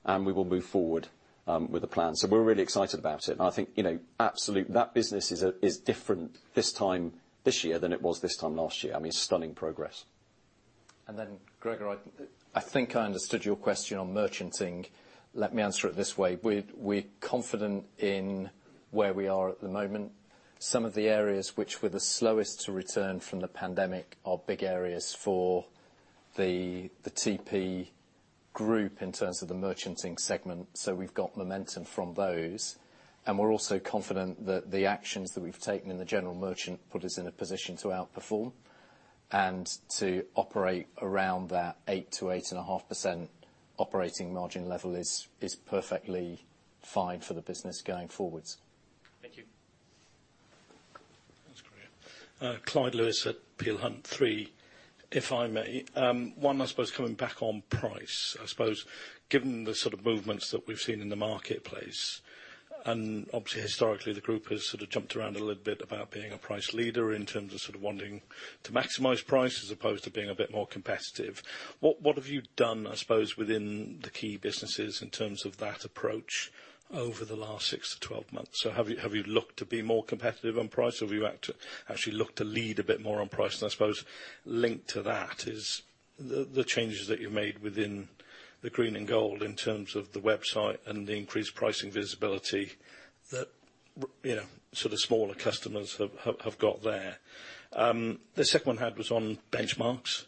and we will move forward with the plan. We're really excited about it. I think, you know, that business is different this time this year than it was this time last year. I mean, stunning progress. Gregor, I think I understood your question on merchanting. Let me answer it this way. We're confident in where we are at the moment. Some of the areas which were the slowest to return from the pandemic are big areas for the TP group in terms of the merchanting segment, so we've got momentum from those. We're also confident that the actions that we've taken in the general merchant put us in a position to outperform and to operate around that 8%-8.5% operating margin level is perfectly fine for the business going forwards. Thank you. That's great. Clyde Lewis at Peel Hunt. Three, if I may. One, I suppose coming back on price, I suppose, given the sort of movements that we've seen in the marketplace, and obviously historically, the group has sort of jumped around a little bit about being a price leader in terms of sort of wanting to maximize price as opposed to being a bit more competitive. What have you done, I suppose, within the key businesses in terms of that approach over the last six to twelve months? Have you looked to be more competitive on price, or have you actually looked to lead a bit more on price? I suppose linked to that is the changes that you made within the green and gold in terms of the website and the increased pricing visibility that, you know, sort of smaller customers have got there. The second one was on Benchmarx.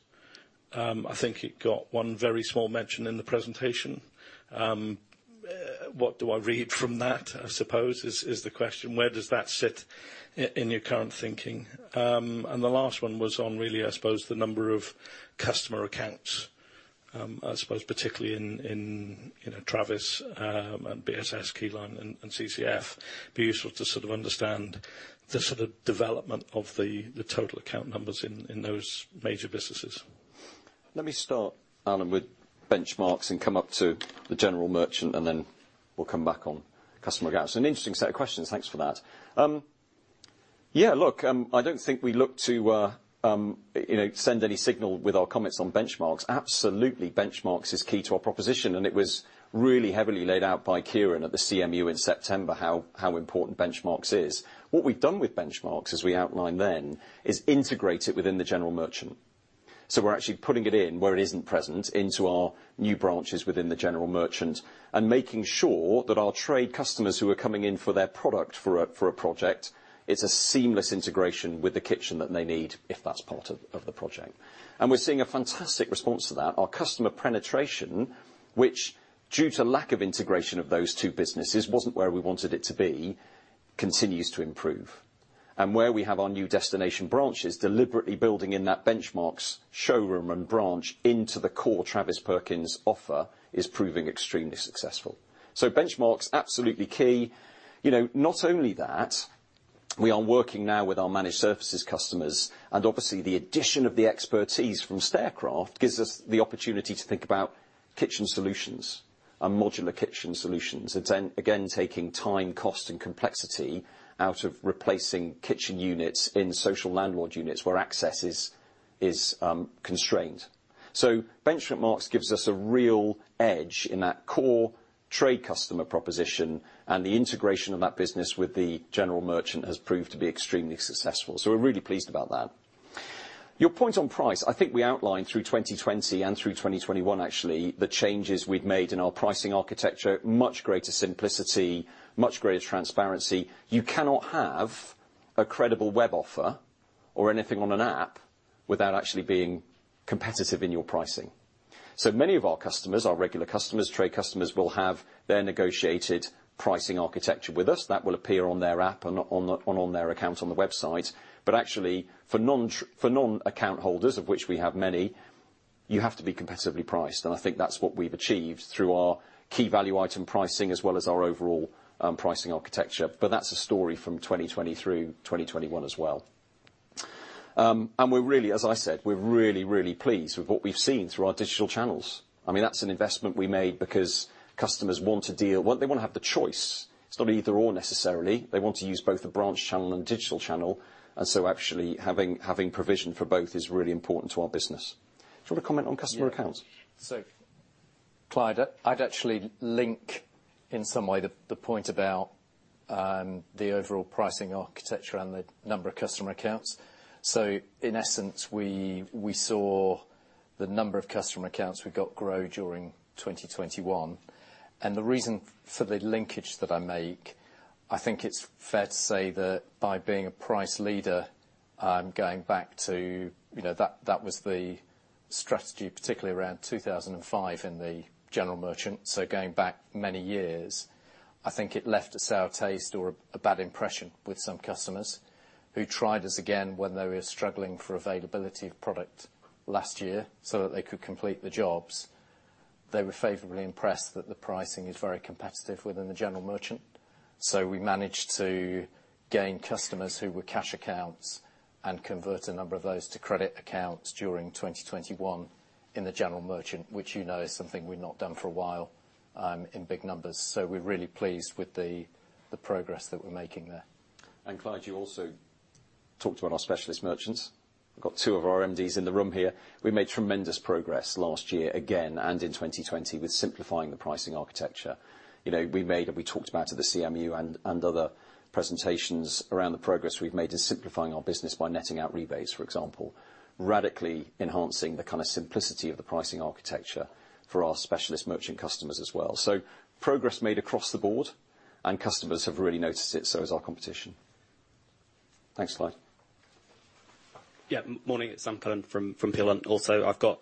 I think it got one very small mention in the presentation. What do I read from that, I suppose, is the question. Where does that sit in your current thinking? The last one was on really, I suppose, the number of customer accounts, I suppose particularly in, you know, Travis, and BSS, Keyline and CCF. Be useful to sort of understand the sort of development of the total account numbers in those major businesses. Let me start, Alan, with Benchmarx and come up to the General Merchant and then we'll come back on customer accounts. An interesting set of questions. Thanks for that. Yeah, look, I don't think we look to, you know, send any signal with our comments on Benchmarx. Absolutely, Benchmarx is key to our proposition, and it was really heavily laid out by Kieran at the CMU in September, how important Benchmarx is. What we've done with Benchmarx, as we outlined then, is integrate it within the General Merchant. So we're actually putting it in where it isn't present into our new branches within the General Merchant and making sure that our trade customers who are coming in for their product for a project, it's a seamless integration with the kitchen that they need if that's part of the project. We're seeing a fantastic response to that. Our customer penetration, which due to lack of integration of those two businesses, wasn't where we wanted it to be, continues to improve. Where we have our new destination branches, deliberately building in that Benchmarx showroom and branch into the core Travis Perkins offer is proving extremely successful. Benchmarx, absolutely key. You know, not only that, we are working now with our managed services customers, and obviously, the addition of the expertise from Staircraft gives us the opportunity to think about kitchen solutions and modular kitchen solutions. It's again, taking time, cost, and complexity out of replacing kitchen units in social landlord units where access is constrained. Benchmarx gives us a real edge in that core trade customer proposition, and the integration of that business with the General Merchant has proved to be extremely successful. We're really pleased about that. Your point on price, I think we outlined through 2020 and through 2021 actually, the changes we'd made in our pricing architecture, much greater simplicity, much greater transparency. You cannot have a credible web offer or anything on an app without actually being competitive in your pricing. Many of our customers, our regular customers, trade customers, will have their negotiated pricing architecture with us. That will appear on their app and on their account on the website. But actually for non-account holders, of which we have many. You have to be competitively priced, and I think that's what we've achieved through our key value item pricing as well as our overall pricing architecture. But that's a story from 2020 through 2021 as well. As I said, we're really pleased with what we've seen through our digital channels. I mean, that's an investment we made because customers want to deal. Well, they wanna have the choice. It's not either/or necessarily. They want to use both the branch channel and digital channel, so actually having provision for both is really important to our business. Do you want to comment on customer accounts? Yeah. Clyde, I'd actually link in some way the point about the overall pricing architecture and the number of customer accounts. In essence, we saw the number of customer accounts we got grow during 2021, and the reason for the linkage that I make, I think it's fair to say that by being a price leader, going back to you know that was the strategy particularly around 2005 in the general merchant, so going back many years. I think it left a sour taste or a bad impression with some customers who tried us again when they were struggling for availability of product last year so that they could complete the jobs. They were favorably impressed that the pricing is very competitive within the general merchant. We managed to gain customers who were cash accounts and convert a number of those to credit accounts during 2021 in the general merchant, which you know is something we've not done for a while, in big numbers. We're really pleased with the progress that we're making there. Clyde, you also talked about our specialist merchants. We've got two of our MDs in the room here. We made tremendous progress last year again, and in 2020 with simplifying the pricing architecture. You know, we made and we talked about at the CMU and other presentations around the progress we've made in simplifying our business by netting out rebates, for example, radically enhancing the kind of simplicity of the pricing architecture for our specialist merchant customers as well. Progress made across the board and customers have really noticed it, so has our competition. Thanks, Clyde. Yeah, morning. It's Sam Cullen from Peel Hunt. Also, I've got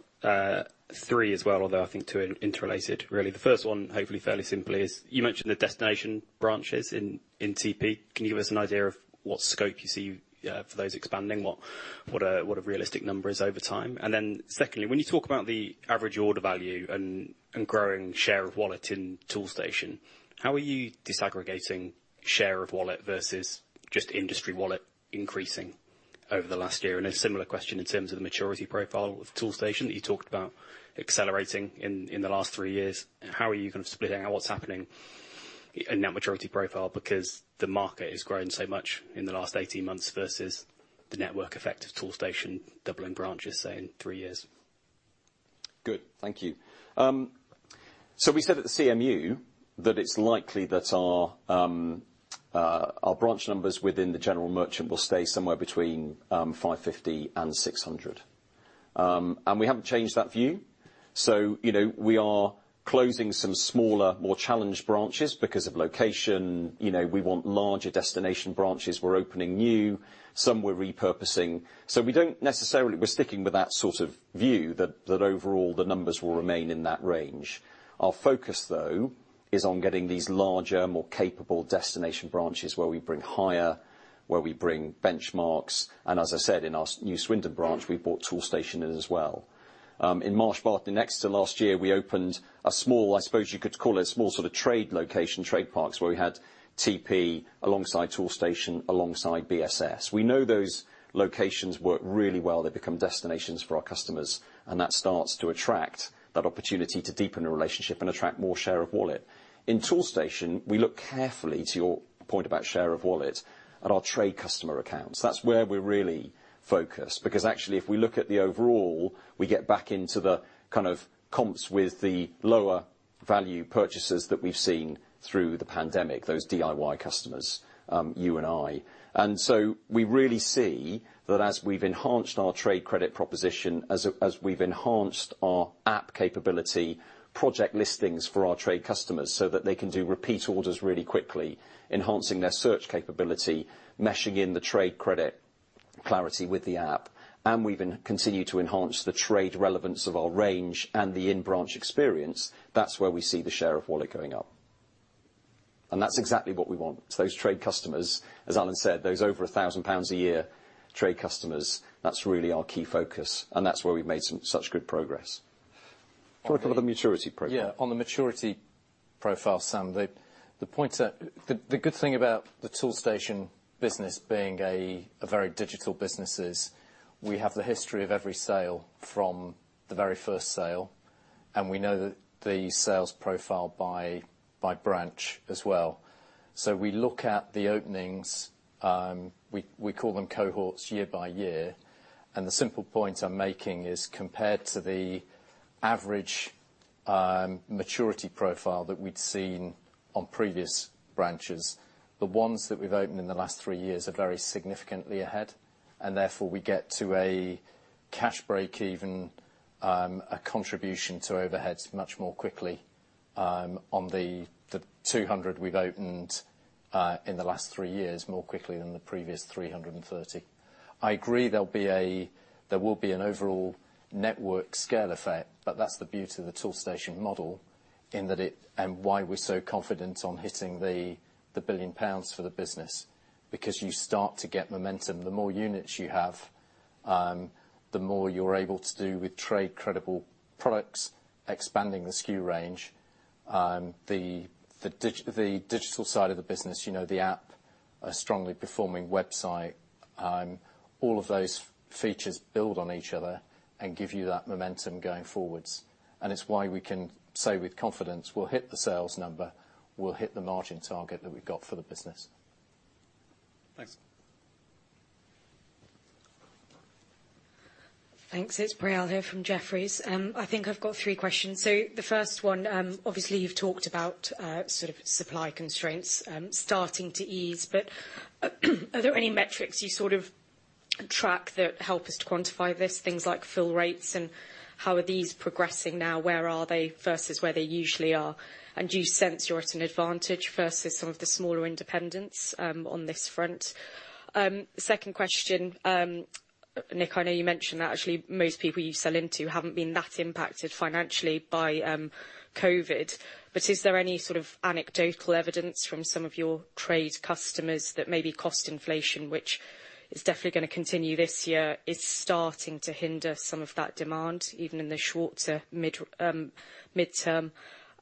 three as well, although I think two are interrelated really. The first one, hopefully fairly simply, is you mentioned the destination branches in TP. Can you give us an idea of what scope you see for those expanding? What a realistic number is over time? And then secondly, when you talk about the average order value and growing share of wallet in Toolstation, how are you disaggregating share of wallet versus just industry wallet increasing over the last year? And a similar question in terms of the maturity profile of Toolstation that you talked about accelerating in the last three years. How are you gonna split out what's happening in that maturity profile because the market has grown so much in the last 18 months versus the network effect of Toolstation doubling branches, say, in three years? Good. Thank you. We said at the CMU that it's likely that our branch numbers within the General Merchant will stay somewhere between 550 and 600. We haven't changed that view. You know, we are closing some smaller, more challenged branches because of location. You know, we want larger destination branches. We're opening new, some we're repurposing. We don't necessarily. We're sticking with that sort of view that overall the numbers will remain in that range. Our focus, though, is on getting these larger, more capable destination branches where we bring hire, where we bring Benchmarx, and as I said, in our new Swindon branch, we brought Toolstation in as well. In Marsh Barton next to last year, we opened a small, I suppose you could call it a small sort of trade location, trade parks, where we had TP alongside Toolstation alongside BSS. We know those locations work really well. They become destinations for our customers, and that starts to attract that opportunity to deepen the relationship and attract more share of wallet. In Toolstation, we look carefully to your point about share of wallet at our trade customer accounts. That's where we're really focused because actually if we look at the overall, we get back into the kind of comps with the lower value purchases that we've seen through the pandemic, those DIY customers, you and I. We really see that as we've enhanced our trade credit proposition, as we've enhanced our app capability, project listings for our trade customers so that they can do repeat orders really quickly, enhancing their search capability, meshing in the trade credit clarity with the app, and we even continue to enhance the trade relevance of our range and the in-branch experience, that's where we see the share of wallet going up. That's exactly what we want. It's those trade customers, as Alan said, those over 1,000 pounds a year trade customers, that's really our key focus, and that's where we've made some such good progress. Do you want to cover the maturity profile? On the maturity profile, Sam, the point. The good thing about the Toolstation business being a very digital business is we have the history of every sale from the very first sale, and we know that the sales profile by branch as well. We look at the openings, we call them cohorts year by year, and the simple point I'm making is compared to the average maturity profile that we'd seen on previous branches, the ones that we've opened in the last three years are very significantly ahead, and therefore, we get to a cash break even, a contribution to overheads much more quickly, on the 200 we've opened in the last three years more quickly than the previous 330. I agree there will be an overall network scale effect, but that's the beauty of the Toolstation model in that it, and why we're so confident on hitting the 1 billion pounds for the business. Because you start to get momentum. The more units you have, the more you're able to do with trade-credible products, expanding the SKU range. The digital side of the business, you know, the app, a strongly performing website, all of those features build on each other and give you that momentum going forward. It's why we can say with confidence, we'll hit the sales number, we'll hit the margin target that we've got for the business. Thanks. Thanks. It's Priyal here from Jefferies. I think I've got three questions. The first one, obviously you've talked about sort of supply constraints starting to ease, but are there any metrics you sort of track that help us to quantify this? Things like fill rates and how are these progressing now, where are they versus where they usually are? And do you sense you're at an advantage versus some of the smaller independents on this front? Second question, Nick, I know you mentioned that actually most people you sell into haven't been that impacted financially by COVID. But is there any sort of anecdotal evidence from some of your trade customers that maybe cost inflation, which is definitely gonna continue this year, is starting to hinder some of that demand, even in the shorter mid-term?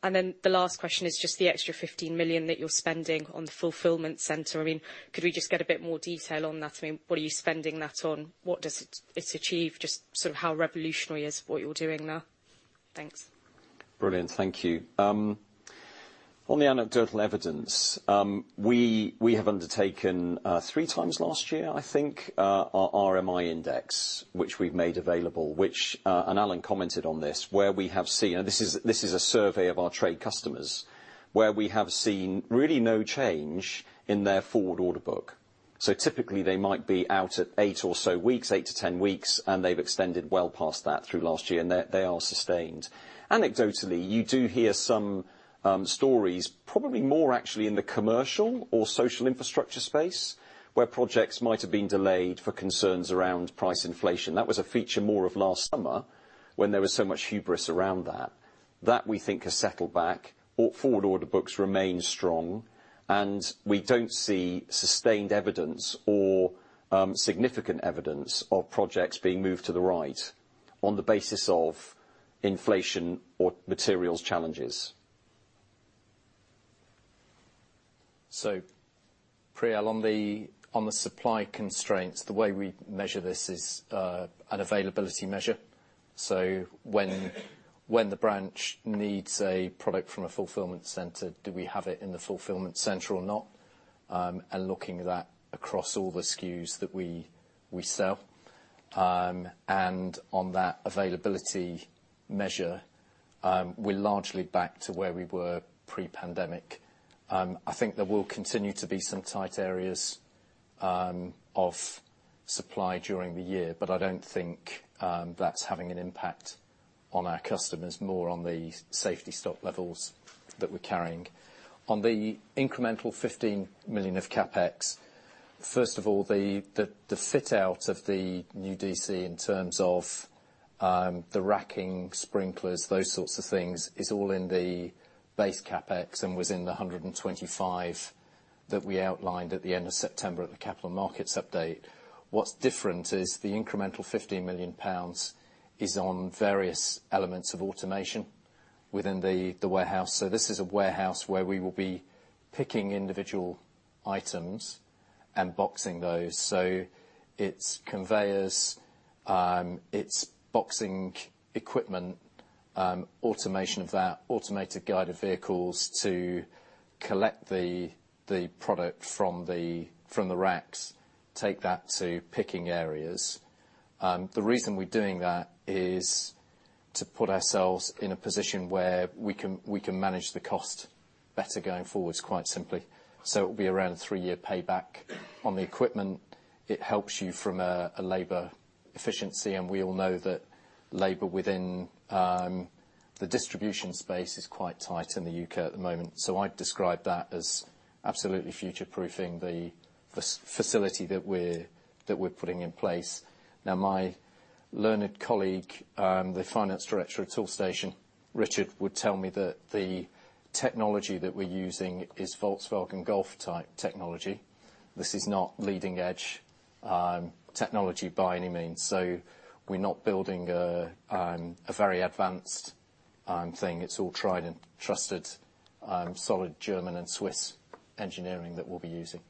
The last question is just the extra 15 million that you're spending on the fulfillment center. I mean, could we just get a bit more detail on that? I mean, what are you spending that on? What does it achieve? Just sort of how revolutionary is what you're doing now? Thanks. Brilliant. Thank you. On the anecdotal evidence, we have undertaken three times last year, I think, our RMI index, which we've made available, which, and Alan commented on this, where we have seen this is a survey of our trade customers, where we have seen really no change in their forward order book. Typically they might be out at eight or so weeks, eight-10 weeks, and they've extended well past that through last year, and they are sustained. Anecdotally, you do hear some stories probably more actually in the commercial or social infrastructure space, where projects might have been delayed for concerns around price inflation. That was a feature more of last summer when there was so much hubris around that. That, we think, has settled back. Our forward order books remain strong, and we don't see sustained evidence or, significant evidence of projects being moved to the right on the basis of inflation or materials challenges. Priyal, on the supply constraints, the way we measure this is an availability measure. When the branch needs a product from a fulfillment center, do we have it in the fulfillment center or not, looking at that across all the SKUs that we sell? On that availability measure, we're largely back to where we were pre-pandemic. I think there will continue to be some tight areas of supply during the year, but I don't think that's having an impact on our customers, more on the safety stock levels that we're carrying. On the incremental 15 million of CapEx, first of all, the fit-out of the new DC in terms of the racking, sprinklers, those sorts of things, is all in the base CapEx and was in the 125 that we outlined at the end of September at the Capital Markets Update. What's different is the incremental 50 million pounds is on various elements of automation within the warehouse. This is a warehouse where we will be picking individual items and boxing those. It's conveyors, it's boxing equipment, automation of that, automated guided vehicles to collect the product from the racks, take that to picking areas. The reason we're doing that is to put ourselves in a position where we can manage the cost better going forward, quite simply. It'll be around a three-year payback on the equipment. It helps you from a labor efficiency, and we all know that labor within the distribution space is quite tight in the U.K. at the moment. I'd describe that as absolutely future-proofing the facility that we're putting in place. Now, my learned colleague, the Finance Director at Toolstation, Richard, would tell me that the technology that we're using is Volkswagen Golf-type technology. This is not leading-edge technology by any means. We're not building a very advanced thing. It's all tried and trusted solid German and Swiss engineering that we'll be using.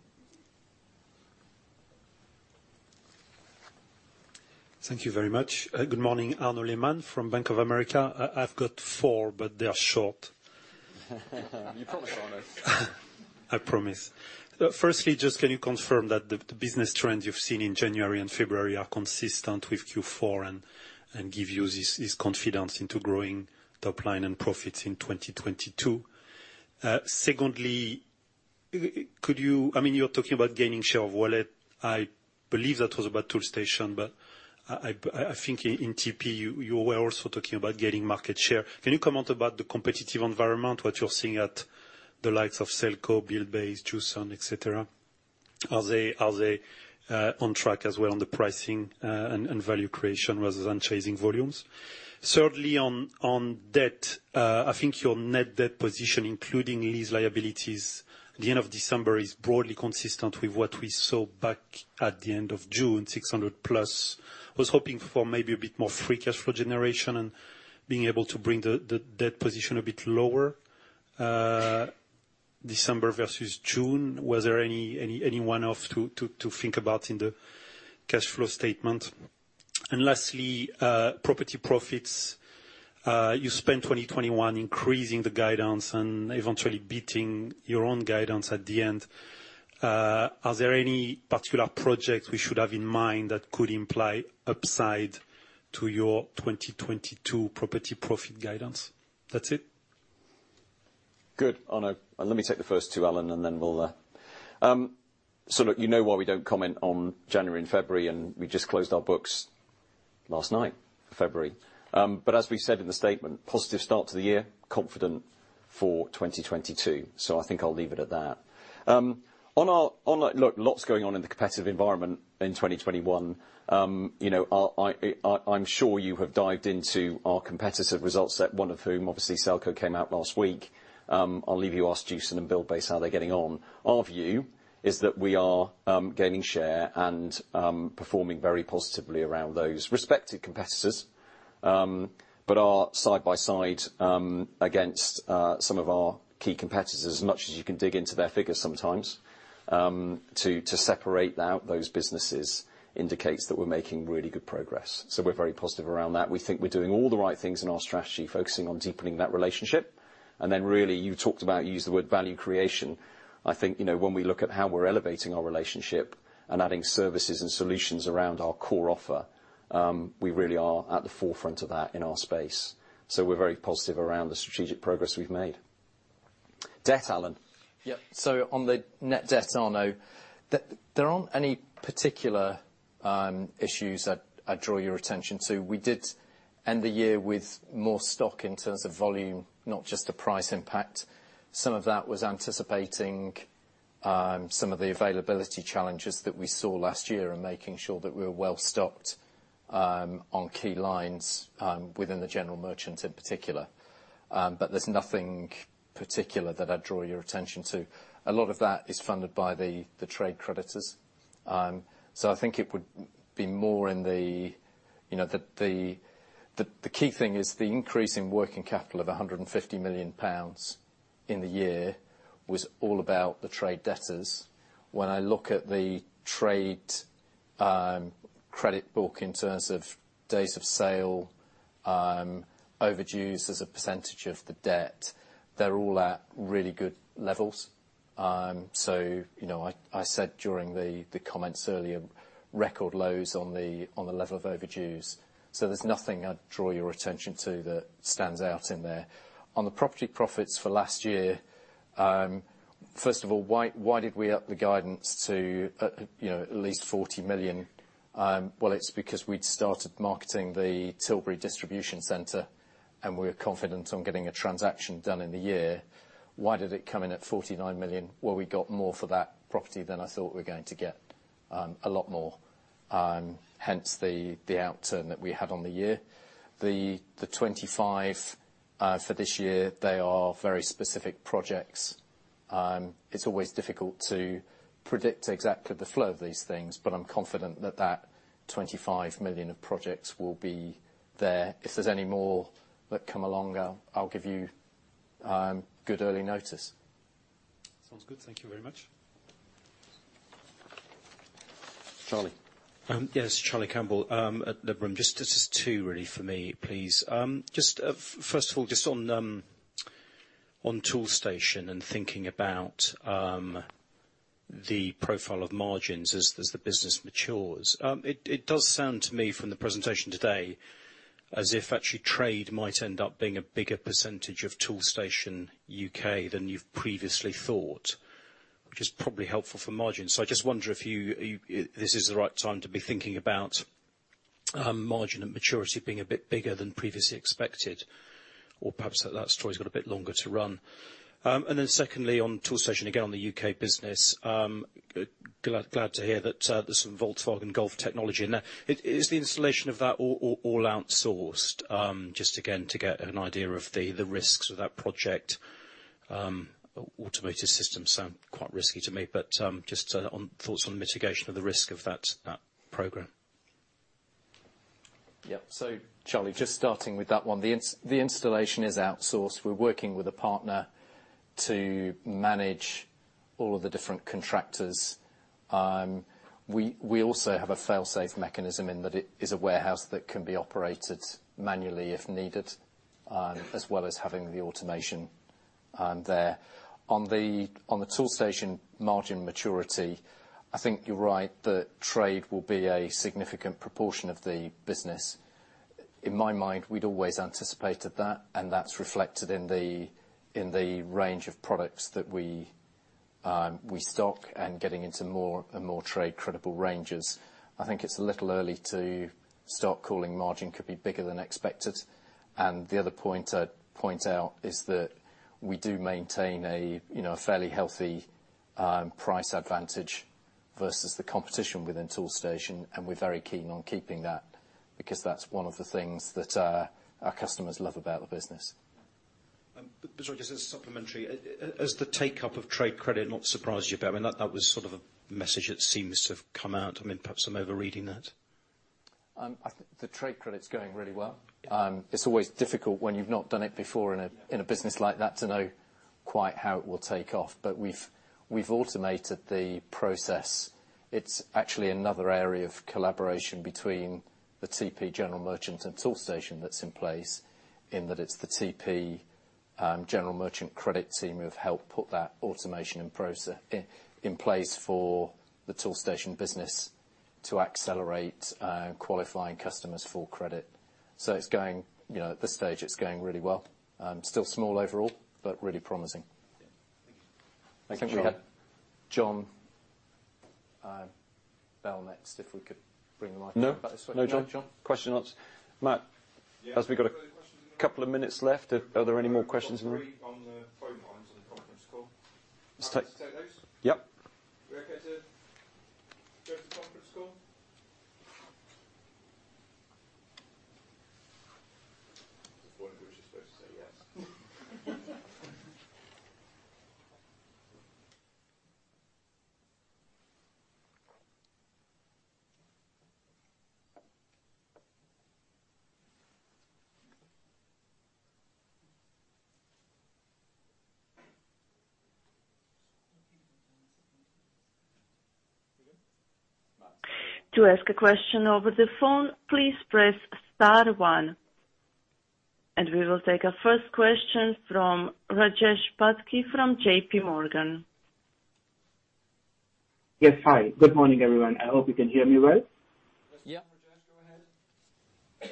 Thank you very much. Good morning. Arnaud Lehmann from Bank of America. I've got four, but they are short. You promised honest. I promise. First, just can you confirm that the business trends you've seen in January and February are consistent with Q4 and give you this confidence into growing top line and profits in 2022? Second, I mean, you're talking about gaining share of wallet. I believe that was about Toolstation, but I think in TP, you were also talking about gaining market share. Can you comment about the competitive environment, what you're seeing at the likes of Selco, Buildbase, Jewson, et cetera? Are they on track as well on the pricing and value creation rather than chasing volumes? Third, on debt. I think your net debt position, including these liabilities, at the end of December is broadly consistent with what we saw back at the end of June, 600+. Was hoping for maybe a bit more free cash flow generation and being able to bring the debt position a bit lower, December versus June. Was there anything to think about in the cash flow statement? Lastly, property profits. You spent 2021 increasing the guidance and eventually beating your own guidance at the end. Are there any particular projects we should have in mind that could imply upside to your 2022 property profit guidance? That's it. Good, Arnaud. Let me take the first two, Alan, and then we'll. Look, you know why we don't comment on January and February, and we just closed our books last night, February. But as we said in the statement, positive start to the year, confident for 2022. I think I'll leave it at that. Look, lots going on in the competitive environment in 2021. You know, I'm sure you have dived into our competitive results and one of whom, obviously Selco came out last week. I'll leave it to you to ask Jewson and Buildbase how they're getting on. Our view is that we are gaining share and performing very positively around those respective competitors. Our side by side against some of our key competitors as much as you can dig into their figures sometimes to separate out those businesses indicates that we're making really good progress. We're very positive around that. We think we're doing all the right things in our strategy, focusing on deepening that relationship. Then, really, you talked about, you used the word value creation. I think, you know, when we look at how we're elevating our relationship and adding services and solutions around our core offer, we really are at the forefront of that in our space. We're very positive around the strategic progress we've made. Debt, Alan. Yeah. On the net debt, Arnaud, there aren't any particular issues that I'd draw your attention to. We did end the year with more stock in terms of volume, not just the price impact. Some of that was anticipating some of the availability challenges that we saw last year and making sure that we're well-stocked on key lines within the general merchant in particular. But there's nothing particular that I'd draw your attention to. A lot of that is funded by the trade creditors. I think it would be more in the key thing is the increase in working capital of 150 million pounds in the year was all about the trade debtors. When I look at the trade credit book in terms of days of sale, overdues as a percentage of the debt, they're all at really good levels. You know, I said during the comments earlier, record lows on the level of overdues. There's nothing I'd draw your attention to that stands out in there. On the property profits for last year, first of all, why did we up the guidance to, you know, at least 40 million? Well, it's because we'd started marketing the Tilbury distribution center, and we're confident on getting a transaction done in the year. Why did it come in at 49 million? Well, we got more for that property than I thought we were going to get, a lot more. Hence the outturn that we have on the year. The 25 for this year, they are very specific projects. It's always difficult to predict exactly the flow of these things, but I'm confident that 25 million of projects will be there. If there's any more that come along, I'll give you good early notice. Sounds good. Thank you very much. Charlie. Yes, Charlie Campbell at Liberum. Just two really for me, please. First of all, just on Toolstation and thinking about the profile of margins as the business matures. It does sound to me from the presentation today as if actually trade might end up being a bigger percentage of Toolstation UK than you've previously thought, which is probably helpful for margin. I just wonder if you this is the right time to be thinking about margin and maturity being a bit bigger than previously expected, or perhaps that story's got a bit longer to run. Secondly, on Toolstation, again, on the UK business, glad to hear that there's some Volkswagen Golf technology in there. Is the installation of that all outsourced? Just again, to get an idea of the risks of that project, automated systems sound quite risky to me, but just on your thoughts on mitigation of the risk of that program. Yeah. Charlie, just starting with that one. The installation is outsourced. We're working with a partner to manage all of the different contractors. We also have a fail-safe mechanism in that it is a warehouse that can be operated manually if needed, as well as having the automation there. On the Toolstation margin maturity, I think you're right that trade will be a significant proportion of the business. In my mind, we'd always anticipated that, and that's reflected in the range of products that we stock and getting into more and more trade credible ranges. I think it's a little early to start calling margin could be bigger than expected. The other point I'd point out is that we do maintain a, you know, fairly healthy price advantage versus the competition within Toolstation, and we're very keen on keeping that because that's one of the things that our customers love about the business. Just as a supplementary, has the take-up of trade credit not surprised you? I mean, that was sort of a message that seems to have come out. I mean, perhaps I'm overreading that. I think the trade credit's going really well. It's always difficult when you've not done it before in a business like that to know quite how it will take off. We've automated the process. It's actually another area of collaboration between the TP General Merchant and Toolstation that's in place in that it's the TP General Merchant credit team who have helped put that automation and process in place for the Toolstation business to accelerate qualifying customers for credit. You know, at this stage, it's going really well. Still small overall, but really promising. Thank you. I think we had John Carter next, if we could bring the mic up this way. No. No, John? John. Question and answer. Matt, as we've got a couple of minutes left, are there any more questions coming? We've got three on the phone lines on the conference call. Do you want us to take those? Yep. Are we okay to go to the conference call? I wonder if we're just supposed to say yes. We will take our first question from Rajesh Patki from JPMorgan. Yes. Hi, good morning, everyone. I hope you can hear me well. Yeah. Rajesh, go ahead.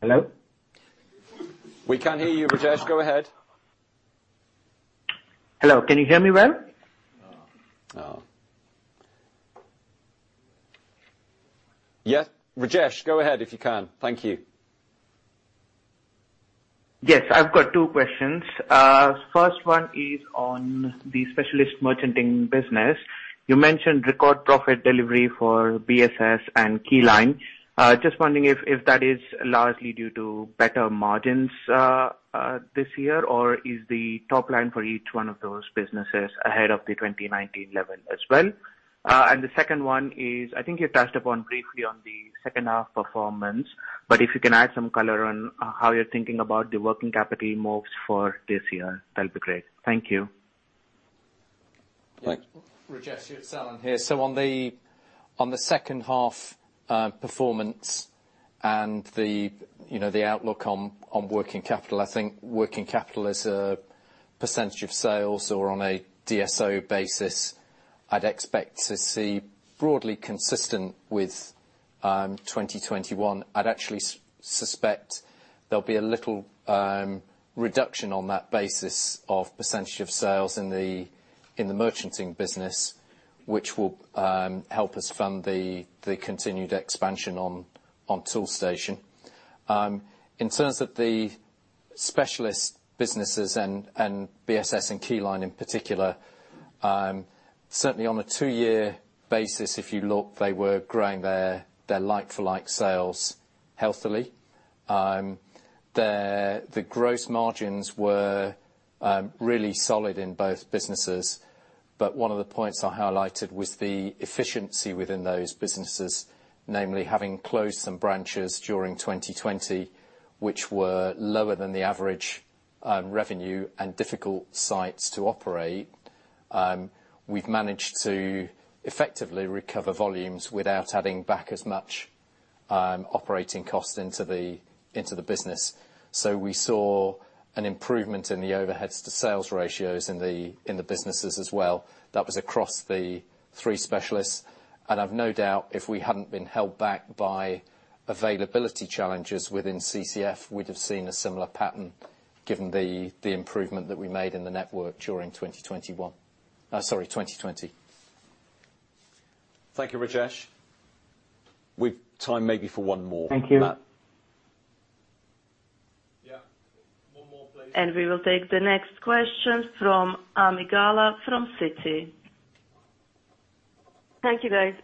Hello? We can hear you, Rajesh. Go ahead. Hello, can you hear me well? Oh. Yes. Rajesh, go ahead if you can. Thank you. Yes, I've got two questions. First one is on the specialist merchanting business. You mentioned record profit delivery for BSS and Keyline. Just wondering if that is largely due to better margins this year, or is the top line for each one of those businesses ahead of the 2019 level as well? I think you touched upon briefly on the second half performance, but if you can add some color on how you're thinking about the working capital moves for this year, that'll be great. Thank you. Rajesh, it's Alan here. On the second half performance and the outlook on working capital, I think working capital as a percentage of sales or on a DSO basis, I'd expect to see broadly consistent with 2021. I'd actually suspect there'll be a little reduction on that basis of percentage of sales in the merchanting business, which will help us fund the continued expansion on Toolstation. In terms of the specialist businesses and BSS and Keyline in particular, certainly on a two-year basis, if you look, they were growing their like-for-like sales healthily. Their gross margins were really solid in both businesses. One of the points I highlighted was the efficiency within those businesses, namely having closed some branches during 2020, which were lower than the average revenue and difficult sites to operate. We've managed to effectively recover volumes without adding back as much operating costs into the business. We saw an improvement in the overheads to sales ratios in the businesses as well. That was across the three specialists. I've no doubt if we hadn't been held back by availability challenges within CCF, we'd have seen a similar pattern given the improvement that we made in the network during 2020. Thank you, Rajesh. We've time maybe for one more. Matt? Thank you. We will take the next question from Ami Galla from Citi. Thank you, guys.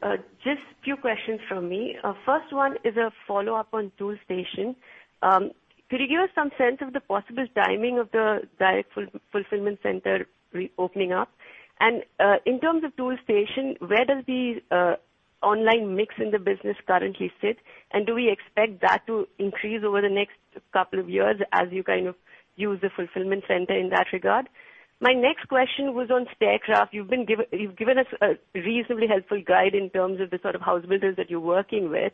Just a few questions from me. First one is a follow-up on Toolstation. Could you give us some sense of the possible timing of the direct fulfillment center reopening? In terms of Toolstation, where does the online mix in the business currently sit? Do we expect that to increase over the next couple of years as you kind of use the fulfillment center in that regard? My next question was on Staircraft. You've given us a reasonably helpful guide in terms of the sort of house builders that you're working with.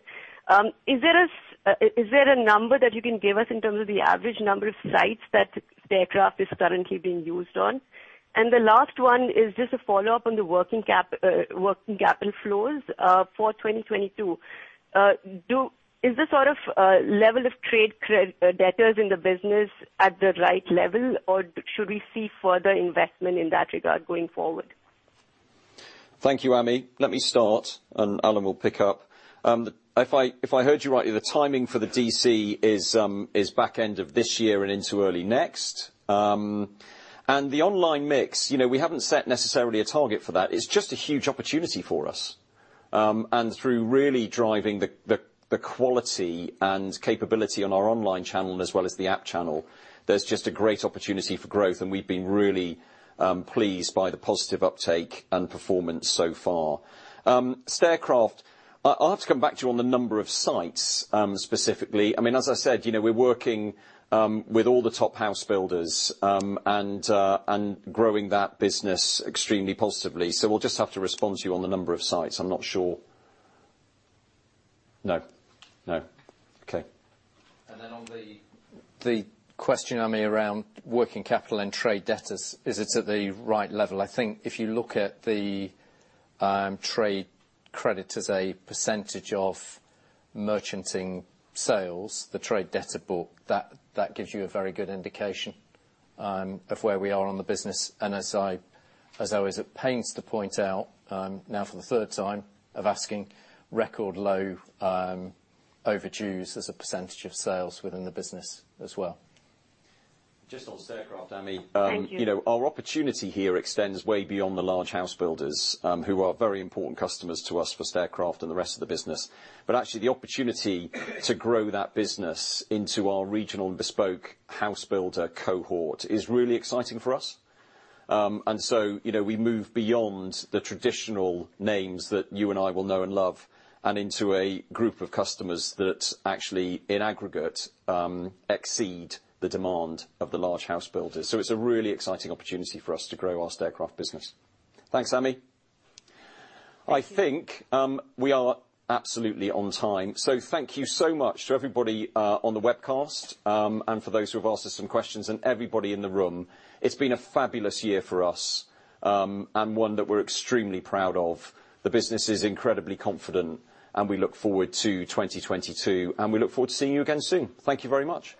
Is there a number that you can give us in terms of the average number of sites that Staircraft is currently being used on? The last one is just a follow-up on the working capital flows for 2022. Is the sort of level of trade debtors in the business at the right level, or should we see further investment in that regard going forward? Thank you, Ami. Let me start, and Alan will pick up. If I heard you right, the timing for the DC is back-end of this year and into early next. The online mix, you know, we haven't set necessarily a target for that. It's just a huge opportunity for us. Through really driving the quality and capability on our online channel as well as the app channel, there's just a great opportunity for growth, and we've been really pleased by the positive uptake and performance so far. Staircraft, I'll have to come back to you on the number of sites specifically. I mean, as I said, you know, we're working with all the top house builders and growing that business extremely positively. We'll just have to respond to you on the number of sites. I'm not sure. No. No. Okay. Then on the question, Ami, around working capital and trade debtors, is it at the right level? I think if you look at the trade credit as a percentage of merchanting sales, the trade debtor book, that gives you a very good indication of where we are on the business. As I was at pains to point out, now for the third time of asking, record low overdues as a percentage of sales within the business as well. Just on Staircraft, Ami. Thank you. You know, our opportunity here extends way beyond the large house builders, who are very important customers to us for Staircraft and the rest of the business. Actually, the opportunity to grow that business into our regional and bespoke house builder cohort is really exciting for us. You know, we move beyond the traditional names that you and I will know and love and into a group of customers that actually, in aggregate, exceed the demand of the large house builders. It's a really exciting opportunity for us to grow our Staircraft business. Thanks, Ami. I think we are absolutely on time. Thank you so much to everybody on the webcast and for those who have asked us some questions and everybody in the room. It's been a fabulous year for us and one that we're extremely proud of. The business is incredibly confident, and we look forward to 2022, and we look forward to seeing you again soon. Thank you very much.